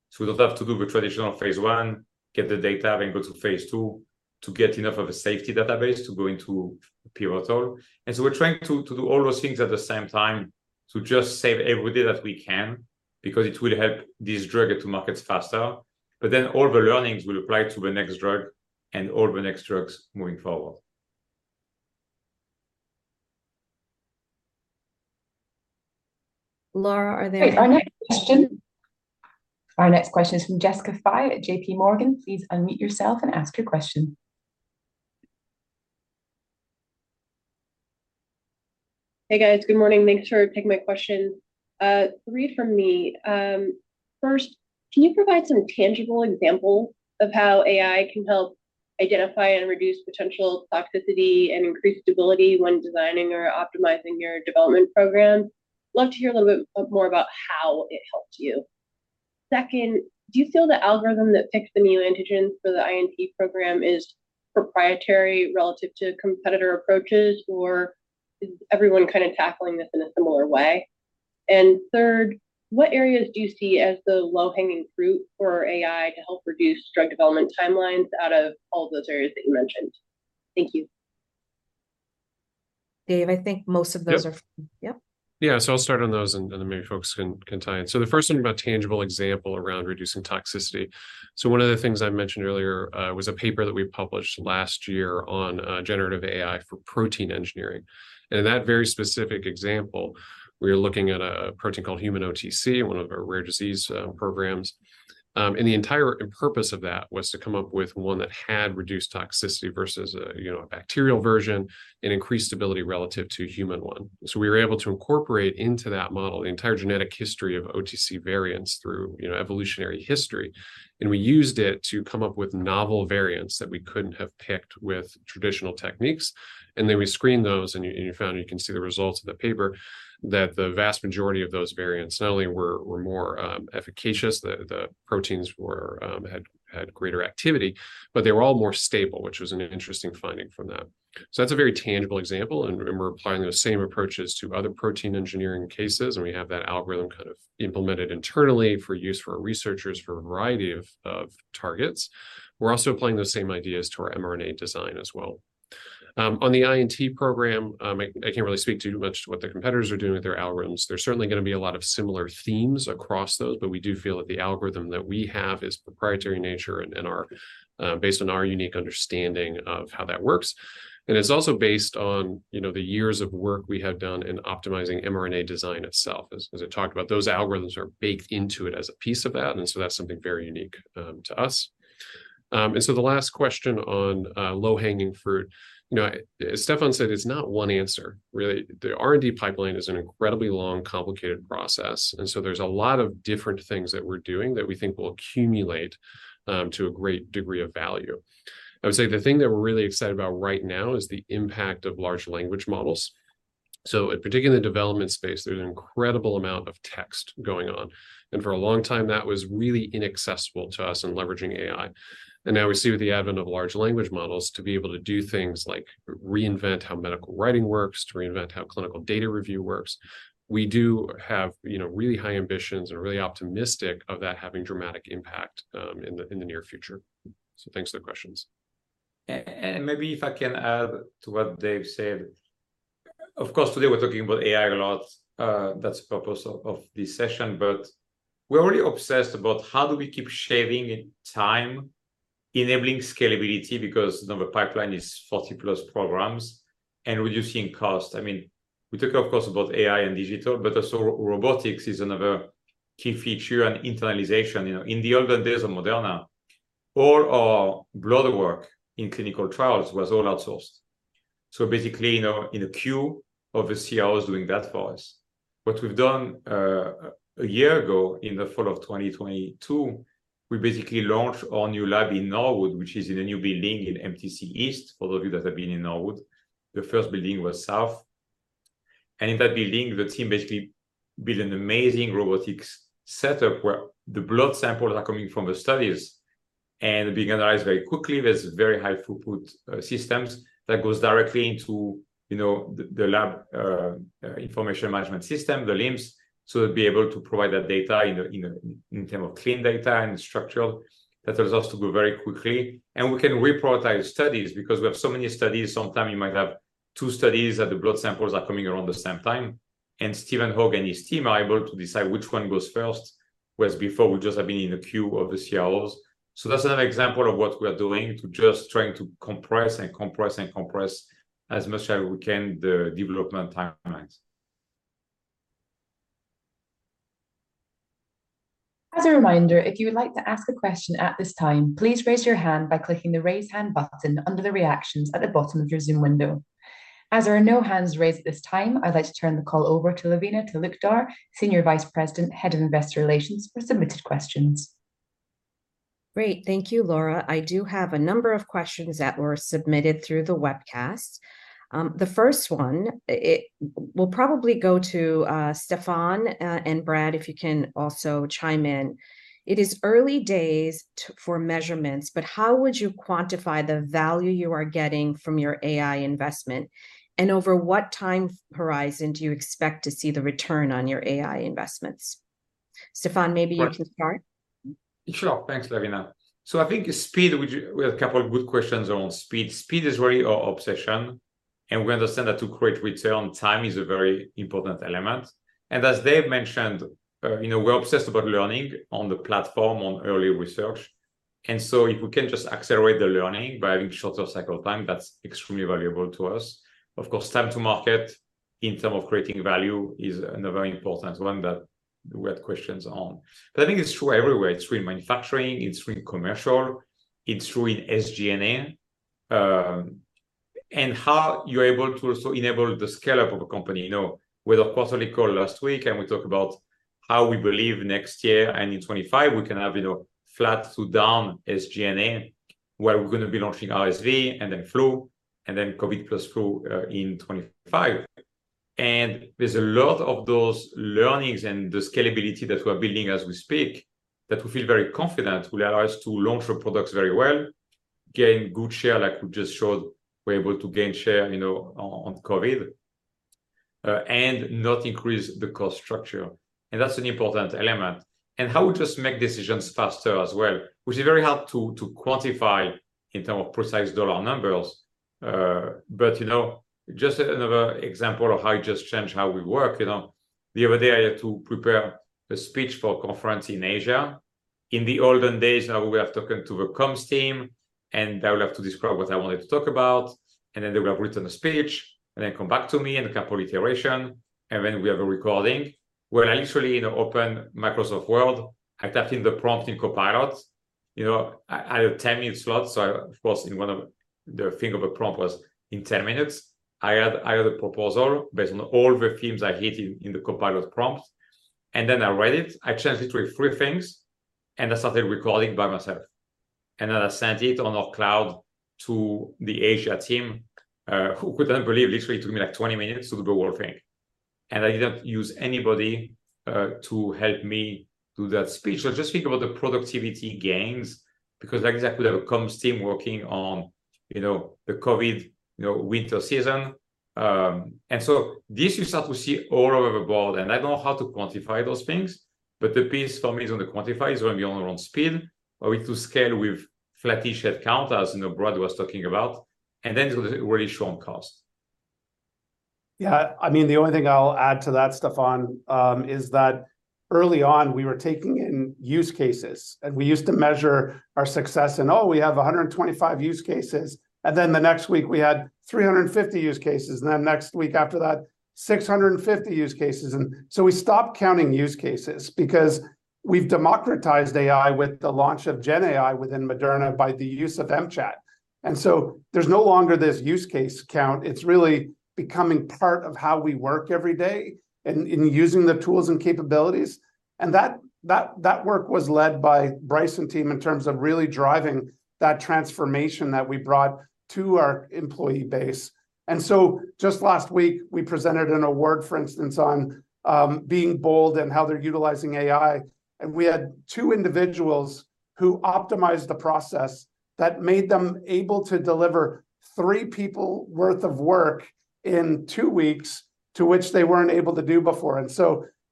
so we don't have to do the traditional phase I, get the data, then go to phase II to get enough of a safety database to go into pivotal. And so, we're trying to do all those things at the same time to just save every day that we can, because it will help this drug get to markets faster, but then all the learnings will apply to the next drug and all the next drugs moving forward.... Laura, are there- Our next question is from Jessica Fye at JPMorgan. Please unmute yourself and ask your question. Hey, guys. Good morning. Thanks for taking my question. Three from me. First, can you provide some tangible example of how AI can help identify and reduce potential toxicity and increase stability when designing or optimizing your development program? Love to hear a little bit, more about how it helped you. Second, do you feel the algorithm that picks the neoantigens for the INT program is proprietary relative to competitor approaches, or is everyone kind of tackling this in a similar way? And third, what areas do you see as the low-hanging fruit for AI to help reduce drug development timelines out of all those areas that you mentioned? Thank you. Dave, I think most of those are- Yep. Yep. Yeah, so I'll start on those, and then maybe folks can chime in. So the first one about tangible example around reducing toxicity. So one of the things I mentioned earlier was a paper that we published last year on generative AI for protein engineering, and in that very specific example, we were looking at a protein called human OTC, one of our rare disease programs. And the entire purpose of that was to come up with one that had reduced toxicity versus a, you know, a bacterial version and increased stability relative to a human one. So we were able to incorporate into that model the entire genetic history of OTC variants through, you know, evolutionary history, and we used it to come up with novel variants that we couldn't have picked with traditional techniques, and then we screened those, and we found, you can see the results of the paper, that the vast majority of those variants not only were more efficacious, the proteins had greater activity, but they were all more stable, which was an interesting finding from that. So that's a very tangible example, and we're applying those same approaches to other protein engineering cases, and we have that algorithm kind of implemented internally for use for our researchers for a variety of targets. We're also applying those same ideas to our mRNA design as well. On the INT program, I, I can't really speak too much to what the competitors are doing with their algorithms. There's certainly gonna be a lot of similar themes across those, but we do feel that the algorithm that we have is proprietary in nature and, and are based on our unique understanding of how that works, and it's also based on, you know, the years of work we have done in optimizing mRNA design itself. As, as I talked about, those algorithms are baked into it as a piece of that, and so that's something very unique to us. And so the last question on low-hanging fruit, you know, as Stéphane said, it's not one answer really. The R&D pipeline is an incredibly long, complicated process, and so there's a lot of different things that we're doing that we think will accumulate, to a great degree of value. I would say the thing that we're really excited about right now is the impact of large language models. So in particular, in the development space, there's an incredible amount of text going on, and for a long time, that was really inaccessible to us in leveraging AI. And now we see with the advent of large language models to be able to do things like reinvent how medical writing works, to reinvent how clinical data review works. We do have, you know, really high ambitions and are really optimistic of that having dramatic impact, in the, in the near future. So thanks for the questions. And maybe if I can add to what Dave said. Of course, today we're talking about AI a lot. That's the purpose of this session, but we're really obsessed about how do we keep shaving time, enabling scalability because now the pipeline is 40+ programs and reducing cost. I mean, we talk, of course, about AI and digital, but also robotics is another key feature and internalization. You know, in the olden days of Moderna, all our blood work in clinical trials was all outsourced, so basically, you know, in a queue of the CROs doing that for us. What we've done, a year ago, in the fall of 2022, we basically launched our new lab in Norwood, which is in a new building in MTC East. For those of you that have been in Norwood, the first building was south, and in that building, the team basically built an amazing robotics setup where the blood samples are coming from the studies and being analyzed very quickly. There's very high throughput systems that goes directly into, you know, the lab information management system, the LIMS, so to be able to provide that data in terms of clean data and structured, that allows us to go very quickly, and we can reprioritize studies. Because we have so many studies, sometime you might have two studies that the blood samples are coming around the same time, and Steven Hogan and his team are able to decide which one goes first, whereas before we just have been in a queue of the CROs. That's another example of what we are doing to just trying to compress and compress and compress, as much as we can, the development timelines. As a reminder, if you would like to ask a question at this time, please raise your hand by clicking the Raise Hand button under the Reactions at the bottom of your Zoom window. As there are no hands raised at this time, I'd like to turn the call over to Lavina Talukdar, Senior Vice President, Head of Investor Relations, for submitted questions. Great. Thank you, Laura. I do have a number of questions that were submitted through the webcast. The first one, it will probably go to, Stéphane, and Brad, if you can also chime in. It is early days for measurements, but how would you quantify the value you are getting from your AI investment, and over what time horizon do you expect to see the return on your AI investments? Stéphane, maybe you can start? Sure. Thanks, Lavina. So I think speed, which we had a couple of good questions around speed. Speed is really our obsession, and we understand that to create return, time is a very important element. And as Dave mentioned, you know, we're obsessed about learning on the platform, on early research.... And so if we can just accelerate the learning by having shorter cycle time, that's extremely valuable to us. Of course, time to market in terms of creating value is another very important one that we had questions on. But I think it's true everywhere. It's true in manufacturing, it's true in commercial, it's true in SG&A. And how you're able to also enable the scale-up of a company. You know, we had a quarterly call last week, and we talked about how we believe next year and in 2025, we can have, you know, flat to down SG&A, where we're gonna be launching RSV, and then flu, and then COVID + flu, in 2025. And there's a lot of those learnings and the scalability that we're building as we speak, that we feel very confident will allow us to launch our products very well, gain good share, like we just showed we're able to gain share, you know, on, on COVID, and not increase the cost structure, and that's an important element. And how we just make decisions faster as well, which is very hard to quantify in terms of precise dollar numbers. But, you know, just another example of how it just change how we work. You know, the other day I had to prepare a speech for a conference in Asia. In the olden days, I would have spoken to the comms team, and I would have to describe what I wanted to talk about, and then they would have written a speech, and then come back to me, and a couple iteration, and then we have a recording. Where I literally, you know, opened Microsoft Word, I typed in the prompt in Copilot. You know, I had a 10-minute slot, so I—of course, in one of the thing of a prompt was in 10 minutes. I had a proposal based on all the themes I had in the Copilot prompts, and then I read it. I changed literally three things, and I started recording by myself, and then I sent it on our cloud to the Asia team, who couldn't believe literally it took me, like, 20 minutes to do the whole thing, and I didn't use anybody to help me do that speech. So just think about the productivity gains, because exactly I have a comms team working on, you know, the COVID, you know, winter season. And so this you start to see all over board, and I don't know how to quantify those things, but the piece for me is on the quantify, is when we on, on speed or we to scale with flat-ish headcount, as, you know, Brad was talking about, and then really show on cost. Yeah, I mean, the only thing I'll add to that, Stéphane, is that early on we were taking in use cases, and we used to measure our success, and, oh, we have 125 use cases, and then the next week we had 350 use cases, and then next week after that, 650 use cases. And so we stopped counting use cases because we've democratized AI with the launch of GenAI within Moderna by the use of mChat. And so there's no longer this use case count. It's really becoming part of how we work every day in using the tools and capabilities, and that work was led by Brice and team in terms of really driving that transformation that we brought to our employee base. Just last week we presented an award, for instance, on being bold and how they're utilizing AI, and we had two individuals who optimized the process that made them able to deliver three people worth of work in two weeks, to which they weren't able to do before.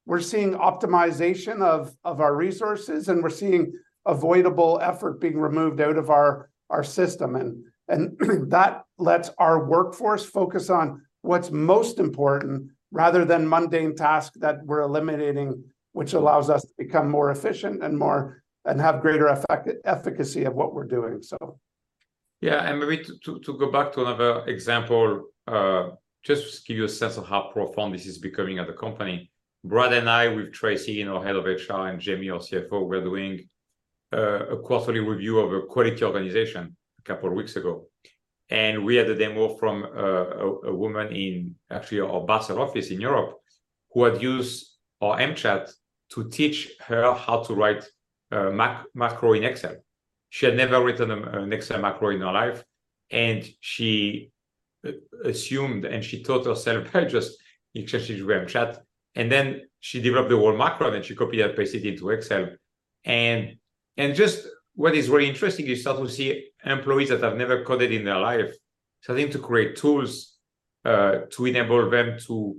We're seeing optimization of our resources, and we're seeing avoidable effort being removed out of our system, and that lets our workforce focus on what's most important, rather than mundane task that we're eliminating, which allows us to become more efficient and have greater efficacy of what we're doing, so. Yeah, and maybe to go back to another example, just to give you a sense of how profound this is becoming at the company. Brad and I, with Tracey, you know, head of HR, and Jamey, our CFO, we're doing a quarterly review of a quality organization a couple of weeks ago. We had a demo from a woman in, actually our Basel office in Europe, who had used our mChat to teach her how to write a macro in Excel. She had never written an Excel macro in her life, and she taught herself how just using mChat, and then she developed the whole macro, and she copied and pasted it into Excel. Just what is very interesting, you start to see employees that have never coded in their life starting to create tools, to enable them to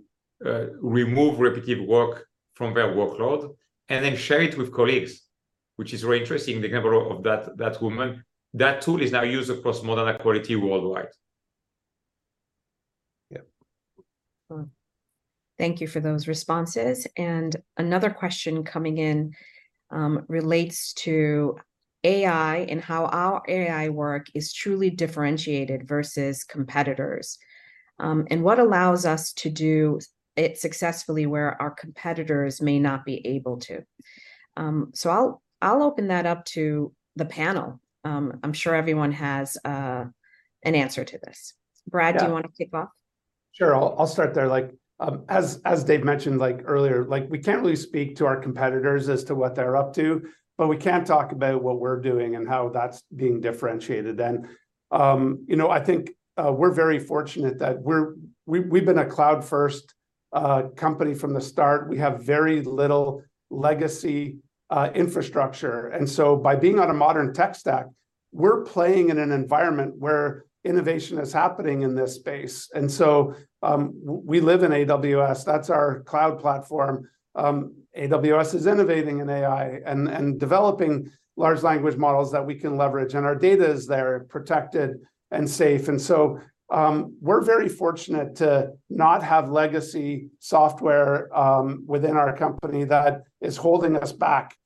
remove repetitive work from their workload and then share it with colleagues, which is very interesting, the example of that, that woman. That tool is now used across Moderna quality worldwide. Yeah. Well, thank you for those responses. And another question coming in, relates to AI and how our AI work is truly differentiated versus competitors', and what allows us to do it successfully where our competitors may not be able to? So I'll, I'll open that up to the panel. I'm sure everyone has an answer to this. Yeah. Brad, do you want to kick off? Sure. I'll start there. Like, as Dave mentioned, like earlier, like, we can't really speak to our competitors as to what they're up to, but we can talk about what we're doing and how that's being differentiated. And, you know, I think, we're very fortunate that we've been a cloud-first company from the start. We have very little legacy infrastructure, and so by being on a modern tech stack, we're playing in an environment where innovation is happening in this space. And so, we live in AWS, that's our cloud platform. AWS is innovating in AI and developing large language models that we can leverage, and our data is there, protected and safe. And so, we're very fortunate to not have legacy software within our company that is holding us back.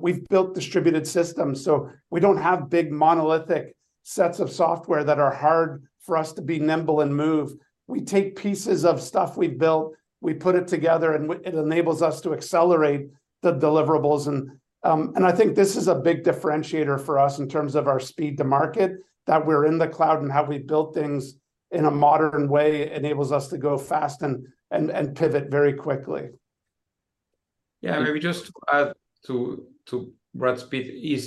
We've built distributed systems, so we don't have big, monolithic sets of software that are hard for us to be nimble and move. We take pieces of stuff we've built, we put it together, and it enables us to accelerate the deliverables. I think this is a big differentiator for us in terms of our speed to market, that we're in the cloud, and how we built things in a modern way enables us to go fast and pivot very quickly. Yeah, maybe just to add to Brad's piece,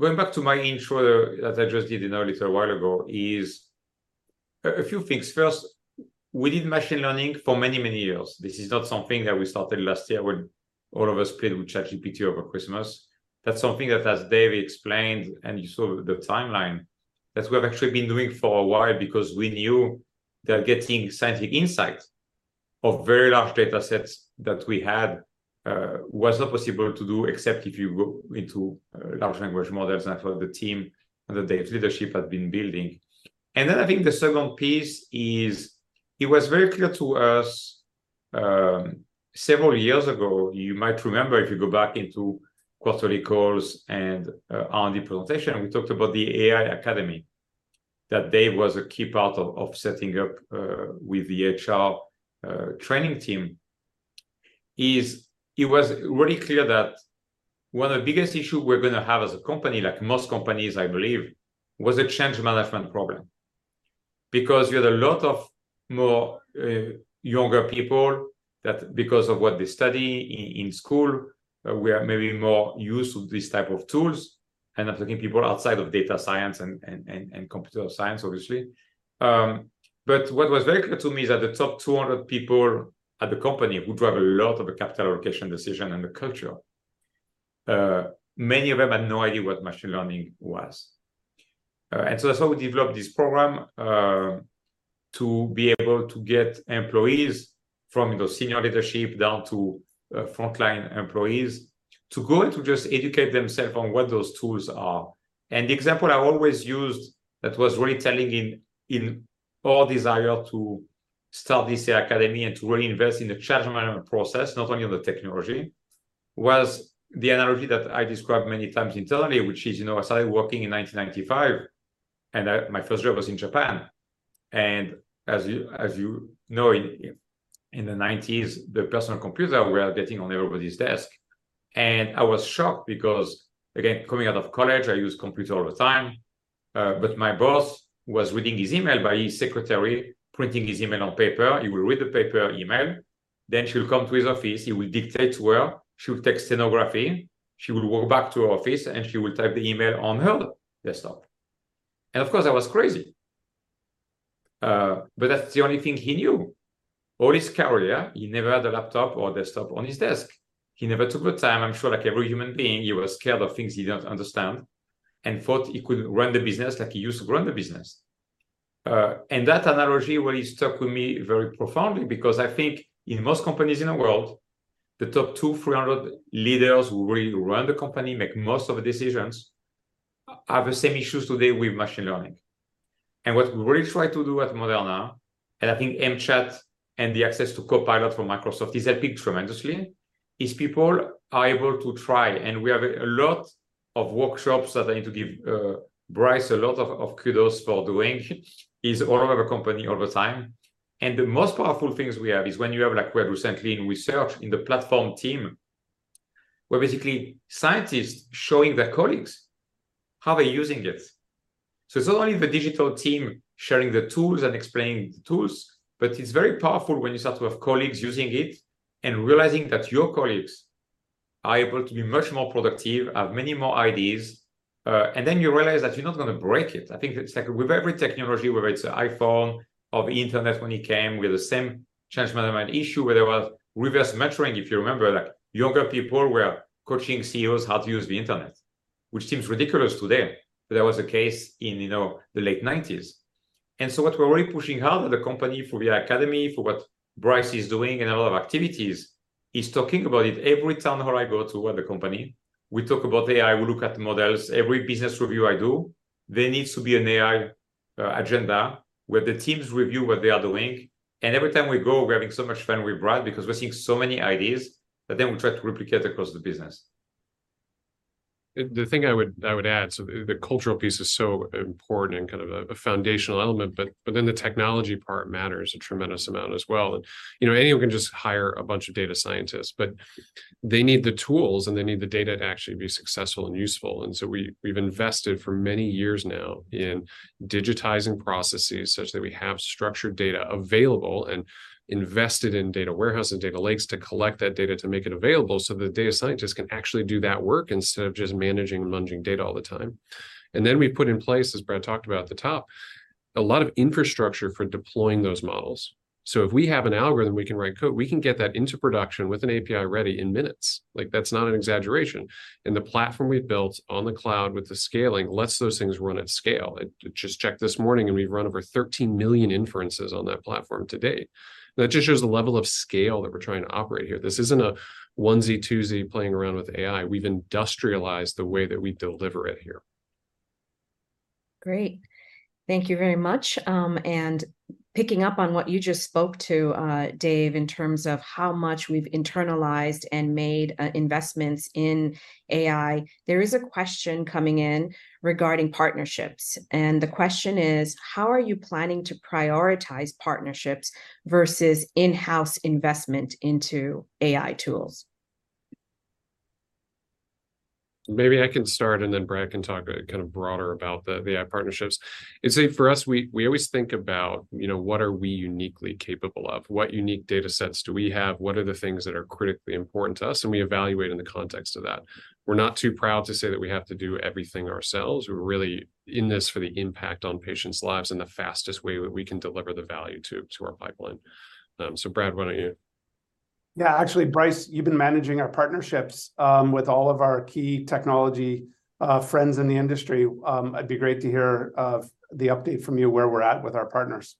going back to my intro that I just did, you know, a little while ago, is a few things. First, we did machine learning for many, many years. This is not something that we started last year when all of us played with ChatGPT over Christmas. That's something that, as Dave explained, and you saw the timeline, that we have actually been doing for a while because we knew that getting scientific insights of very large data sets that we had was not possible to do except if you go into large language models and for the team under Dave's leadership had been building. And then I think the second piece is it was very clear to us, several years ago, you might remember if you go back into quarterly calls and, on the presentation, we talked about the AI Academy, that Dave was a key part of setting up, with the HR, training team, it was really clear that one of the biggest issue we're gonna have as a company, like most companies, I believe, was a change management problem. Because you had a lot of more younger people that because of what they study in school, were maybe more used to these type of tools, and I'm thinking people outside of data science and computer science, obviously. But what was very clear to me is that the top 200 people at the company who drive a lot of the capital allocation decision and the culture, many of them had no idea what machine learning was. And so that's how we developed this program, to be able to get employees from the senior leadership down to frontline employees, to go and to just educate themselves on what those tools are. And the example I always used that was really telling in our desire to start this academy and to really invest in the change management process, not only on the technology, was the analogy that I described many times internally, which is, you know, I started working in 1995, and my first job was in Japan. As you know, in the 90s, the personal computer were getting on everybody's desk. And I was shocked because, again, coming out of college, I used computer all the time, but my boss was reading his email by his secretary printing his email on paper. He will read the paper email, then she'll come to his office, he will dictate to her, she'll take stenography, she will walk back to her office, and she will type the email on her desktop. And of course, I was crazy. But that's the only thing he knew. All his career, he never had a laptop or desktop on his desk. He never took the time. I'm sure, like every human being, he was scared of things he didn't understand and thought he could run the business like he used to run the business. That analogy really stuck with me very profoundly because I think in most companies in the world, the top 200, 300 leaders who really run the company, make most of the decisions, have the same issues today with machine learning. What we really try to do at Moderna, and I think mChat and the access to Copilot from Microsoft has helped tremendously, is people are able to try. We have a lot of workshops that I need to give, Brice a lot of kudos for doing, he's all over the company all the time. The most powerful things we have is when you have, like we had recently in research, in the platform team, where basically scientists showing their colleagues how they're using it. So it's not only the digital team sharing the tools and explaining the tools, but it's very powerful when you start to have colleagues using it and realizing that your colleagues are able to be much more productive, have many more ideas, and then you realize that you're not gonna break it. I think it's like with every technology, whether it's the iPhone or the internet when it came, we had the same change management issue, where there was reverse mentoring. If you remember, like, younger people were coaching CEOs how to use the internet, which seems ridiculous today, but that was the case in, you know, the late 90s. And so what we're really pushing hard with the company for the academy, for what Brice is doing and a lot of activities, is talking about it. Every town hall I go to at the company, we talk about AI, we look at the models. Every business review I do, there needs to be an AI agenda where the teams review what they are doing. And every time we go, we're having so much fun with Brad because we're seeing so many ideas that then we try to replicate across the business. The thing I would add, so the cultural piece is so important and kind of a foundational element, but then the technology part matters a tremendous amount as well. And, you know, anyone can just hire a bunch of data scientists, but they need the tools, and they need the data to actually be successful and useful. And so we've invested for many years now in digitizing processes such that we have structured data available and invested in data warehouse and data lakes to collect that data, to make it available so that data scientists can actually do that work instead of just managing and munging data all the time. And then we put in place, as Brad talked about at the top, a lot of infrastructure for deploying those models. So if we have an algorithm, we can write code, we can get that into production with an API ready in minutes. Like, that's not an exaggeration. The platform we've built on the cloud with the scaling lets those things run at scale. I just checked this morning, and we've run over 13 million inferences on that platform to date. That just shows the level of scale that we're trying to operate here. This isn't a onesie, twosie playing around with AI. We've industrialized the way that we deliver it here.... Great. Thank you very much. Picking up on what you just spoke to, Dave, in terms of how much we've internalized and made investments in AI, there is a question coming in regarding partnerships, and the question is: how are you planning to prioritize partnerships versus in-house investment into AI tools? Maybe I can start, and then Brad can talk kind of broader about the AI partnerships. I'd say for us, we always think about, you know, what are we uniquely capable of? What unique data sets do we have? What are the things that are critically important to us? We evaluate in the context of that. We're not too proud to say that we have to do everything ourselves. We're really in this for the impact on patients' lives and the fastest way that we can deliver the value to our pipeline. So Brad, why don't you? Yeah, actually, Brice, you've been managing our partnerships with all of our key technology friends in the industry. It'd be great to hear of the update from you where we're at with our partners.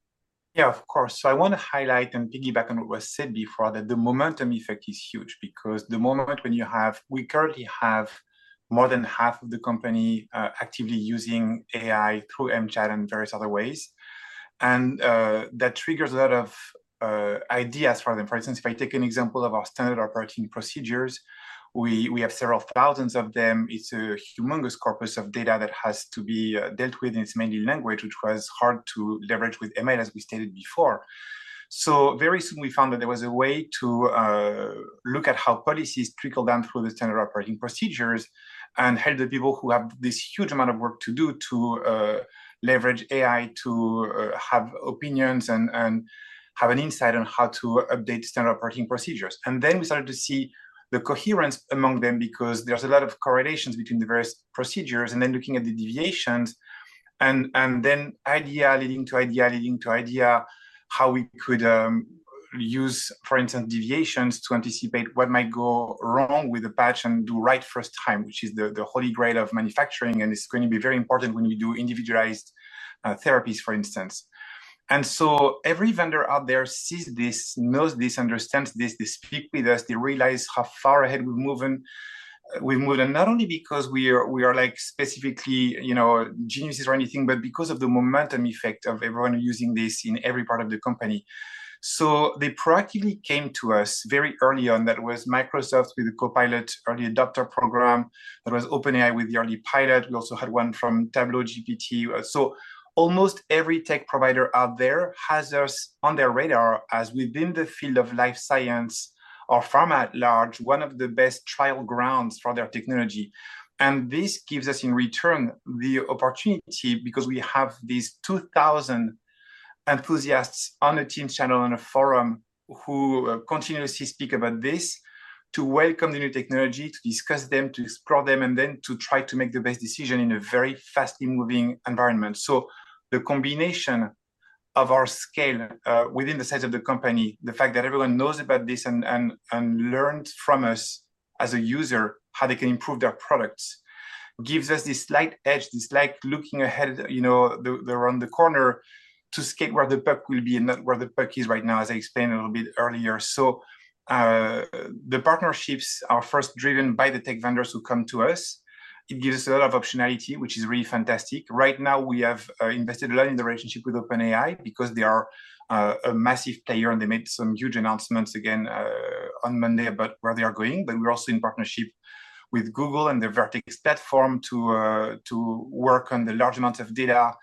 Yeah, of course. So I want to highlight and piggyback on what was said before, that the momentum effect is huge because the moment when you have—we currently have more than half of the company actively using AI through mChat and various other ways, and that triggers a lot of ideas for them. For instance, if I take an example of our standard operating procedures, we have several thousands of them. It's a humongous corpus of data that has to be dealt with, and it's mainly language, which was hard to leverage with ML, as we stated before. So very soon we found that there was a way to look at how policies trickle down through the standard operating procedures and help the people who have this huge amount of work to do to leverage AI, to have opinions, and have an insight on how to update standard operating procedures. And then we started to see the coherence among them, because there's a lot of correlations between the various procedures, and then looking at the deviations, and then idea leading to idea, leading to idea, how we could use, for instance, deviations to anticipate what might go wrong with a batch and do right first time, which is the holy grail of manufacturing, and it's going to be very important when you do individualized therapies, for instance. And so every vendor out there sees this, knows this, understands this. They speak with us, they realize how far ahead we're moving. We're moving not only because we are, we are like specifically, you know, geniuses or anything, but because of the momentum effect of everyone using this in every part of the company. So they proactively came to us very early on. That was Microsoft with the Copilot early adopter program. That was OpenAI with the early pilot. We also had one from Tableau GPT. So almost every tech provider out there has us on their radar as within the field of life science or pharma at large, one of the best trial grounds for their technology. This gives us, in return, the opportunity, because we have these 2,000 enthusiasts on the Teams channel and a forum who continuously speak about this, to welcome the new technology, to discuss them, to explore them, and then to try to make the best decision in a very fast-moving environment. So the combination of our scale within the size of the company, the fact that everyone knows about this and learned from us as a user how they can improve their products, gives us this slight edge, this slight looking ahead, you know, the around the corner to skate where the puck will be and not where the puck is right now, as I explained a little bit earlier. So the partnerships are first driven by the tech vendors who come to us. It gives us a lot of optionality, which is really fantastic. Right now, we have invested a lot in the relationship with OpenAI because they are a massive player, and they made some huge announcements again on Monday about where they are going. But we're also in partnership with Google and their Vertex platform to work on the large amount of data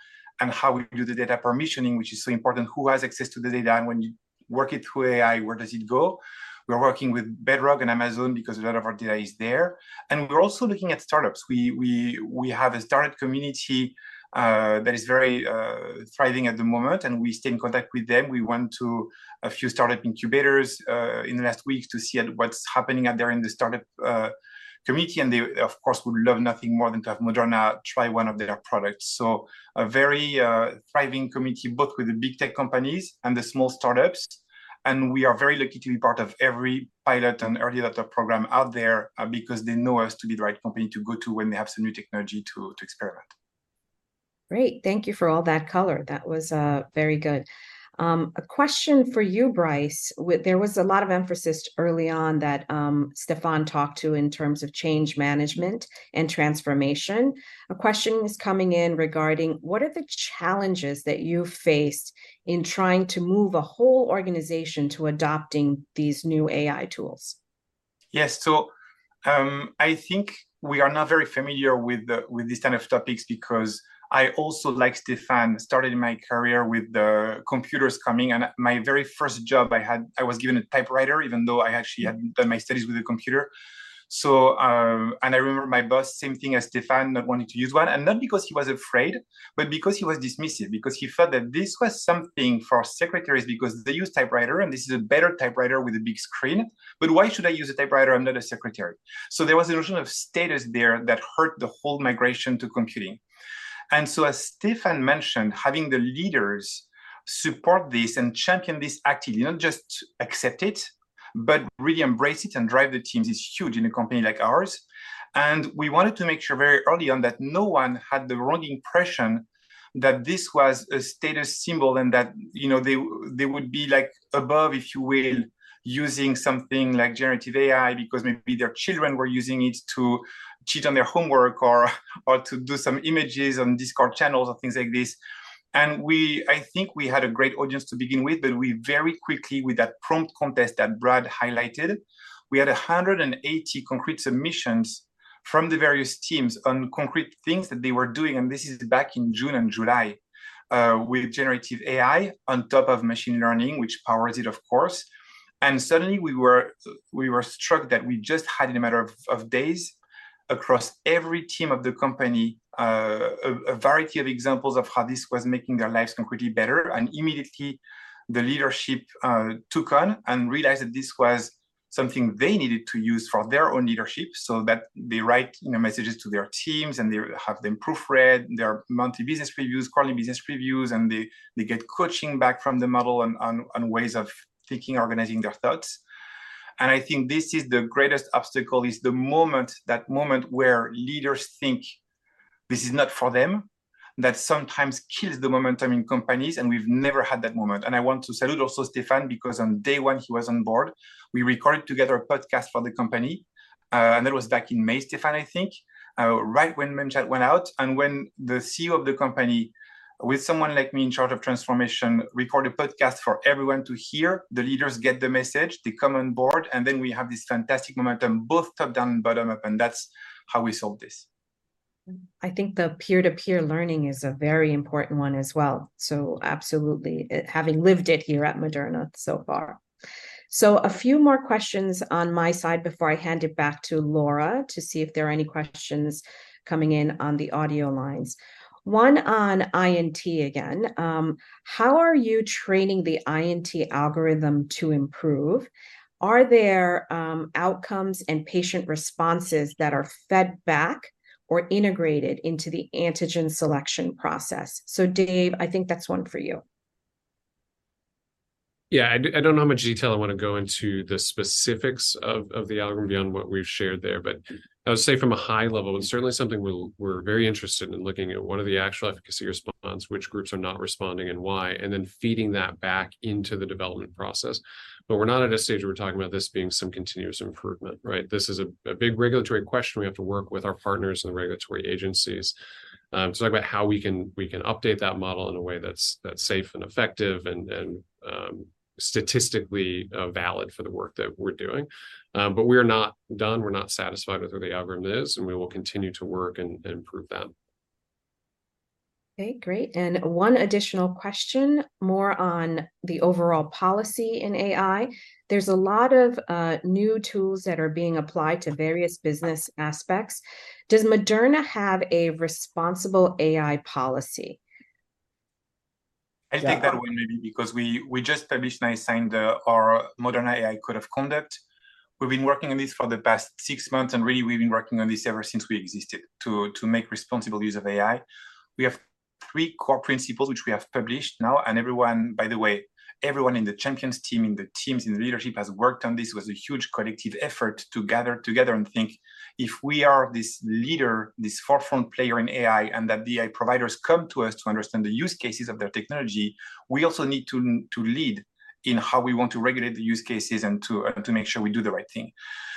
and how we do the data permissioning, which is so important. Who has access to the data? And when you work it through AI, where does it go? We are working with Bedrock and Amazon because a lot of our data is there, and we're also looking at startups. We have a startup community that is very thriving at the moment, and we stay in contact with them. We went to a few startup incubators in the last week to see what's happening out there in the startup community, and they, of course, would love nothing more than to have Moderna try one of their products. So a very thriving community, both with the big tech companies and the small startups, and we are very lucky to be part of every pilot and early adopter program out there, because they know us to be the right company to go to when they have some new technology to experiment. Great. Thank you for all that color. That was very good. A question for you, Brice. There was a lot of emphasis early on that Stéphane talked to in terms of change management and transformation. A question is coming in regarding: what are the challenges that you've faced in trying to move a whole organization to adopting these new AI tools? Yes. So, I think we are not very familiar with these kind of topics because I also, like Stéphane, started my career with the computers coming, and my very first job I had, I was given a typewriter, even though I actually had done my studies with a computer. So, I remember my boss, same thing as Stéphane, not wanting to use one, and not because he was afraid, but because he was dismissive, because he felt that this was something for secretaries, because they use typewriter, and this is a better typewriter with a big screen. "But why should I use a typewriter? I'm not a secretary." So there was a notion of status there that hurt the whole migration to computing. And so as Stéphane mentioned, having the leaders support this and champion this actively, not just accept it, but really embrace it and drive the teams, is huge in a company like ours. And we wanted to make sure very early on that no one had the wrong impression—that this was a status symbol, and that, you know, they, they would be like above, if you will, using something like generative AI, because maybe their children were using it to cheat on their homework or, or to do some images on Discord channels or things like this. I think we had a great audience to begin with, but we very quickly, with that prompt contest that Brad highlighted, we had 180 concrete submissions from the various teams on concrete things that they were doing, and this is back in June and July, with generative AI on top of machine learning, which powers it, of course. Suddenly we were struck that we just had, in a matter of days, across every team of the company, a variety of examples of how this was making their lives concretely better. Immediately, the leadership took on and realized that this was something they needed to use for their own leadership, so that they write, you know, messages to their teams, and they have them proofread, their monthly business reviews, quarterly business reviews, and they, they get coaching back from the model on, on, on ways of thinking, organizing their thoughts. I think this is the greatest obstacle, is the moment, that moment where leaders think this is not for them, that sometimes kills the momentum in companies, and we've never had that moment. I want to salute also Stéphane, because on day one, he was on board. We recorded together a podcast for the company, and that was back in May, Stéphane, I think, right when mChat went out. When the CEO of the company, with someone like me in charge of transformation, record a podcast for everyone to hear, the leaders get the message, they come on board, and then we have this fantastic momentum, both top-down and bottom-up, and that's how we solved this. I think the peer-to-peer learning is a very important one as well, so absolutely, it-- having lived it here at Moderna so far. So a few more questions on my side before I hand it back to Laura, to see if there are any questions coming in on the audio lines. One on INT again: "How are you training the INT algorithm to improve? Are there outcomes and patient responses that are fed back or integrated into the antigen selection process?" So Dave, I think that's one for you. Yeah. I don't know how much detail I want to go into the specifics of the algorithm beyond what we've shared there. But I would say from a high level, it's certainly something we're very interested in looking at. What are the actual efficacy responses, which groups are not responding, and why? And then feeding that back into the development process. But we're not at a stage where we're talking about this being some continuous improvement, right? This is a big regulatory question we have to work with our partners in the regulatory agencies. So talk about how we can update that model in a way that's safe and effective and statistically valid for the work that we're doing. But we're not done, we're not satisfied with where the algorithm is, and we will continue to work and improve them. Okay, great. One additional question, more on the overall policy in AI: "There's a lot of new tools that are being applied to various business aspects. Does Moderna have a responsible AI policy? I'll take that one, maybe because we, we just published and I signed the, our Moderna AI Code of Conduct. We've been working on this for the past six months, and really, we've been working on this ever since we existed, to, to make responsible use of AI. We have three core principles, which we have published now. And everyone, by the way, everyone in the champions team, in the teams, in the leadership, has worked on this. It was a huge collective effort to gather together and think, if we are this leader, this forefront player in AI, and that the AI providers come to us to understand the use cases of their technology, we also need to, to lead in how we want to regulate the use cases and to, to make sure we do the right thing.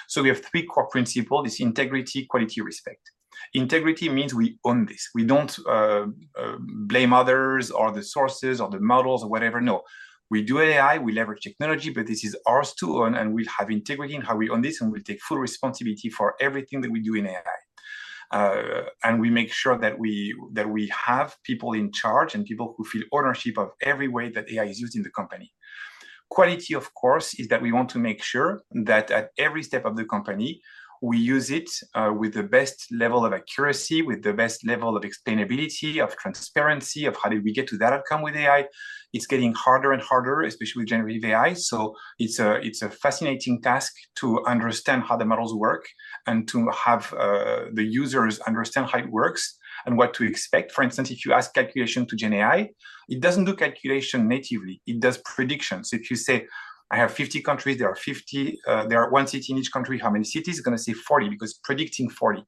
So we have three core principles: It's integrity, quality, respect. Integrity means we own this. We don't blame others, or the sources, or the models, or whatever. No. We do AI, we leverage technology, but this is ours to own, and we have integrity in how we own this, and we take full responsibility for everything that we do in AI. And we make sure that we have people in charge and people who feel ownership of every way that AI is used in the company. Quality, of course, is that we want to make sure that at every step of the company, we use it with the best level of accuracy, with the best level of explainability, of transparency, of how did we get to that outcome with AI. It's getting harder and harder, especially with generative AI. So it's a fascinating task to understand how the models work and to have the users understand how it works and what to expect. For instance, if you ask calculation to GenAI, it doesn't do calculation natively, it does predictions. If you say, "I have 50 countries, there are one city in each country, how many cities?" It's gonna say 40, because predicting 40.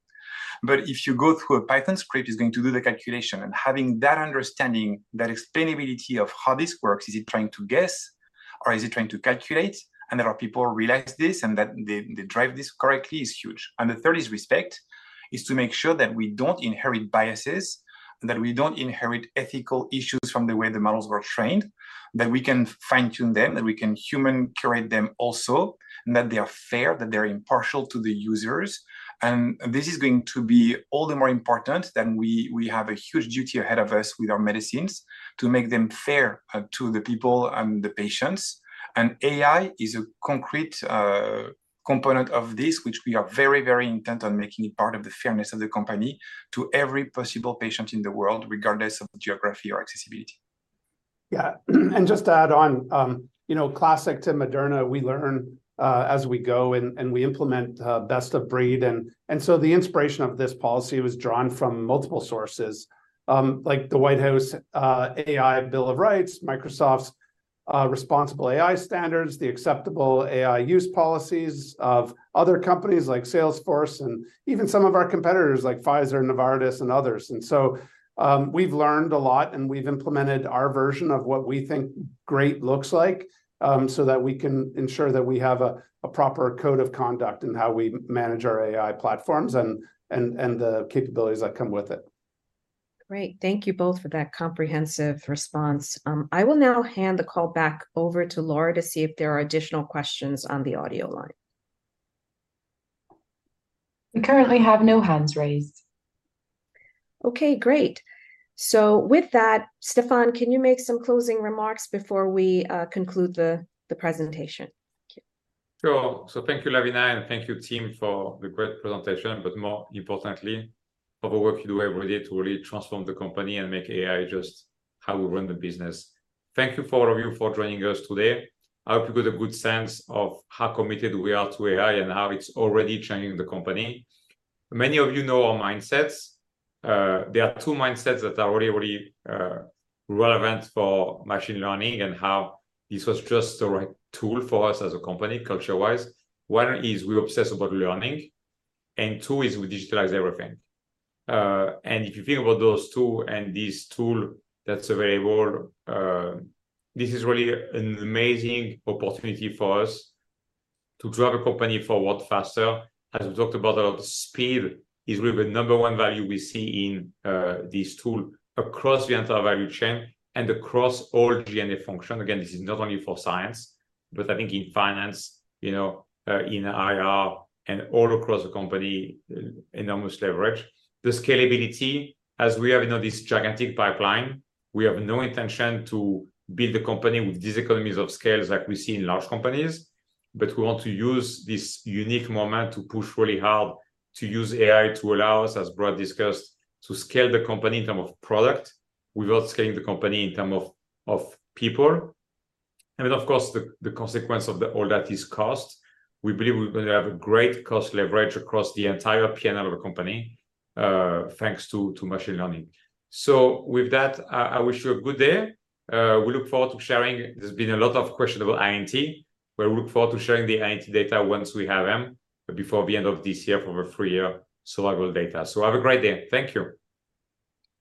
But if you go through a Python script, it's going to do the calculation. And having that understanding, that explainability of how this works, is it trying to guess or is it trying to calculate? And there are people who realize this, and that they, they drive this correctly, is huge. And the third is respect. Is to make sure that we don't inherit biases, that we don't inherit ethical issues from the way the models were trained, that we can fine-tune them, that we can human curate them also, and that they are fair, that they're impartial to the users. And this is going to be all the more important, that we, we have a huge duty ahead of us with our medicines, to make them fair, to the people and the patients. And AI is a concrete component of this, which we are very, very intent on making it part of the fairness of the company to every possible patient in the world, regardless of geography or accessibility. Yeah. And just to add on, you know, classic to Moderna, we learn as we go, and we implement best-of-breed. And so the inspiration of this policy was drawn from multiple sources, like the White House AI Bill of Rights, Microsoft's responsible AI standards, the acceptable AI use policies of other companies like Salesforce, and even some of our competitors, like Pfizer, Novartis, and others. And so, we've learned a lot, and we've implemented our version of what we think great looks like, so that we can ensure that we have a proper code of conduct in how we manage our AI platforms and the capabilities that come with it. Great. Thank you both for that comprehensive response. I will now hand the call back over to Laura to see if there are additional questions on the audio line. We currently have no hands raised. Okay, great. So with that, Stéphane, can you make some closing remarks before we conclude the presentation? Thank you. Sure. So thank you, Lavina, and thank you, team, for the great presentation, but more importantly, for the work you do every day to really transform the company and make AI just how we run the business. Thank you for all of you for joining us today. I hope you got a good sense of how committed we are to AI and how it's already changing the company. Many of you know our mindsets. There are two mindsets that are already relevant for machine learning and how this was just the right tool for us as a company, culture-wise. One is we obsess about learning, and two is we digitalize everything. And if you think about those two and this tool that's available, this is really an amazing opportunity for us to drive a company forward faster. As we talked about, speed is really the number one value we see in this tool across the entire value chain and across all G&A function. Again, this is not only for science, but I think in finance, you know, in IR, and all across the company, enormous leverage. The scalability, as we have, you know, this gigantic pipeline, we have no intention to build a company with diseconomies of scales like we see in large companies. But we want to use this unique moment to push really hard, to use AI to allow us, as Brad discussed, to scale the company in term of product, without scaling the company in term of, of people. I mean, of course, the consequence of all that is cost. We believe we're going to have a great cost leverage across the entire P&L of the company, thanks to, to machine learning. So with that, I wish you a good day. We look forward to sharing... There's been a lot of question about INT, but we look forward to sharing the INT data once we have them, but before the end of this year, for a full year, so I will data. So have a great day. Thank you.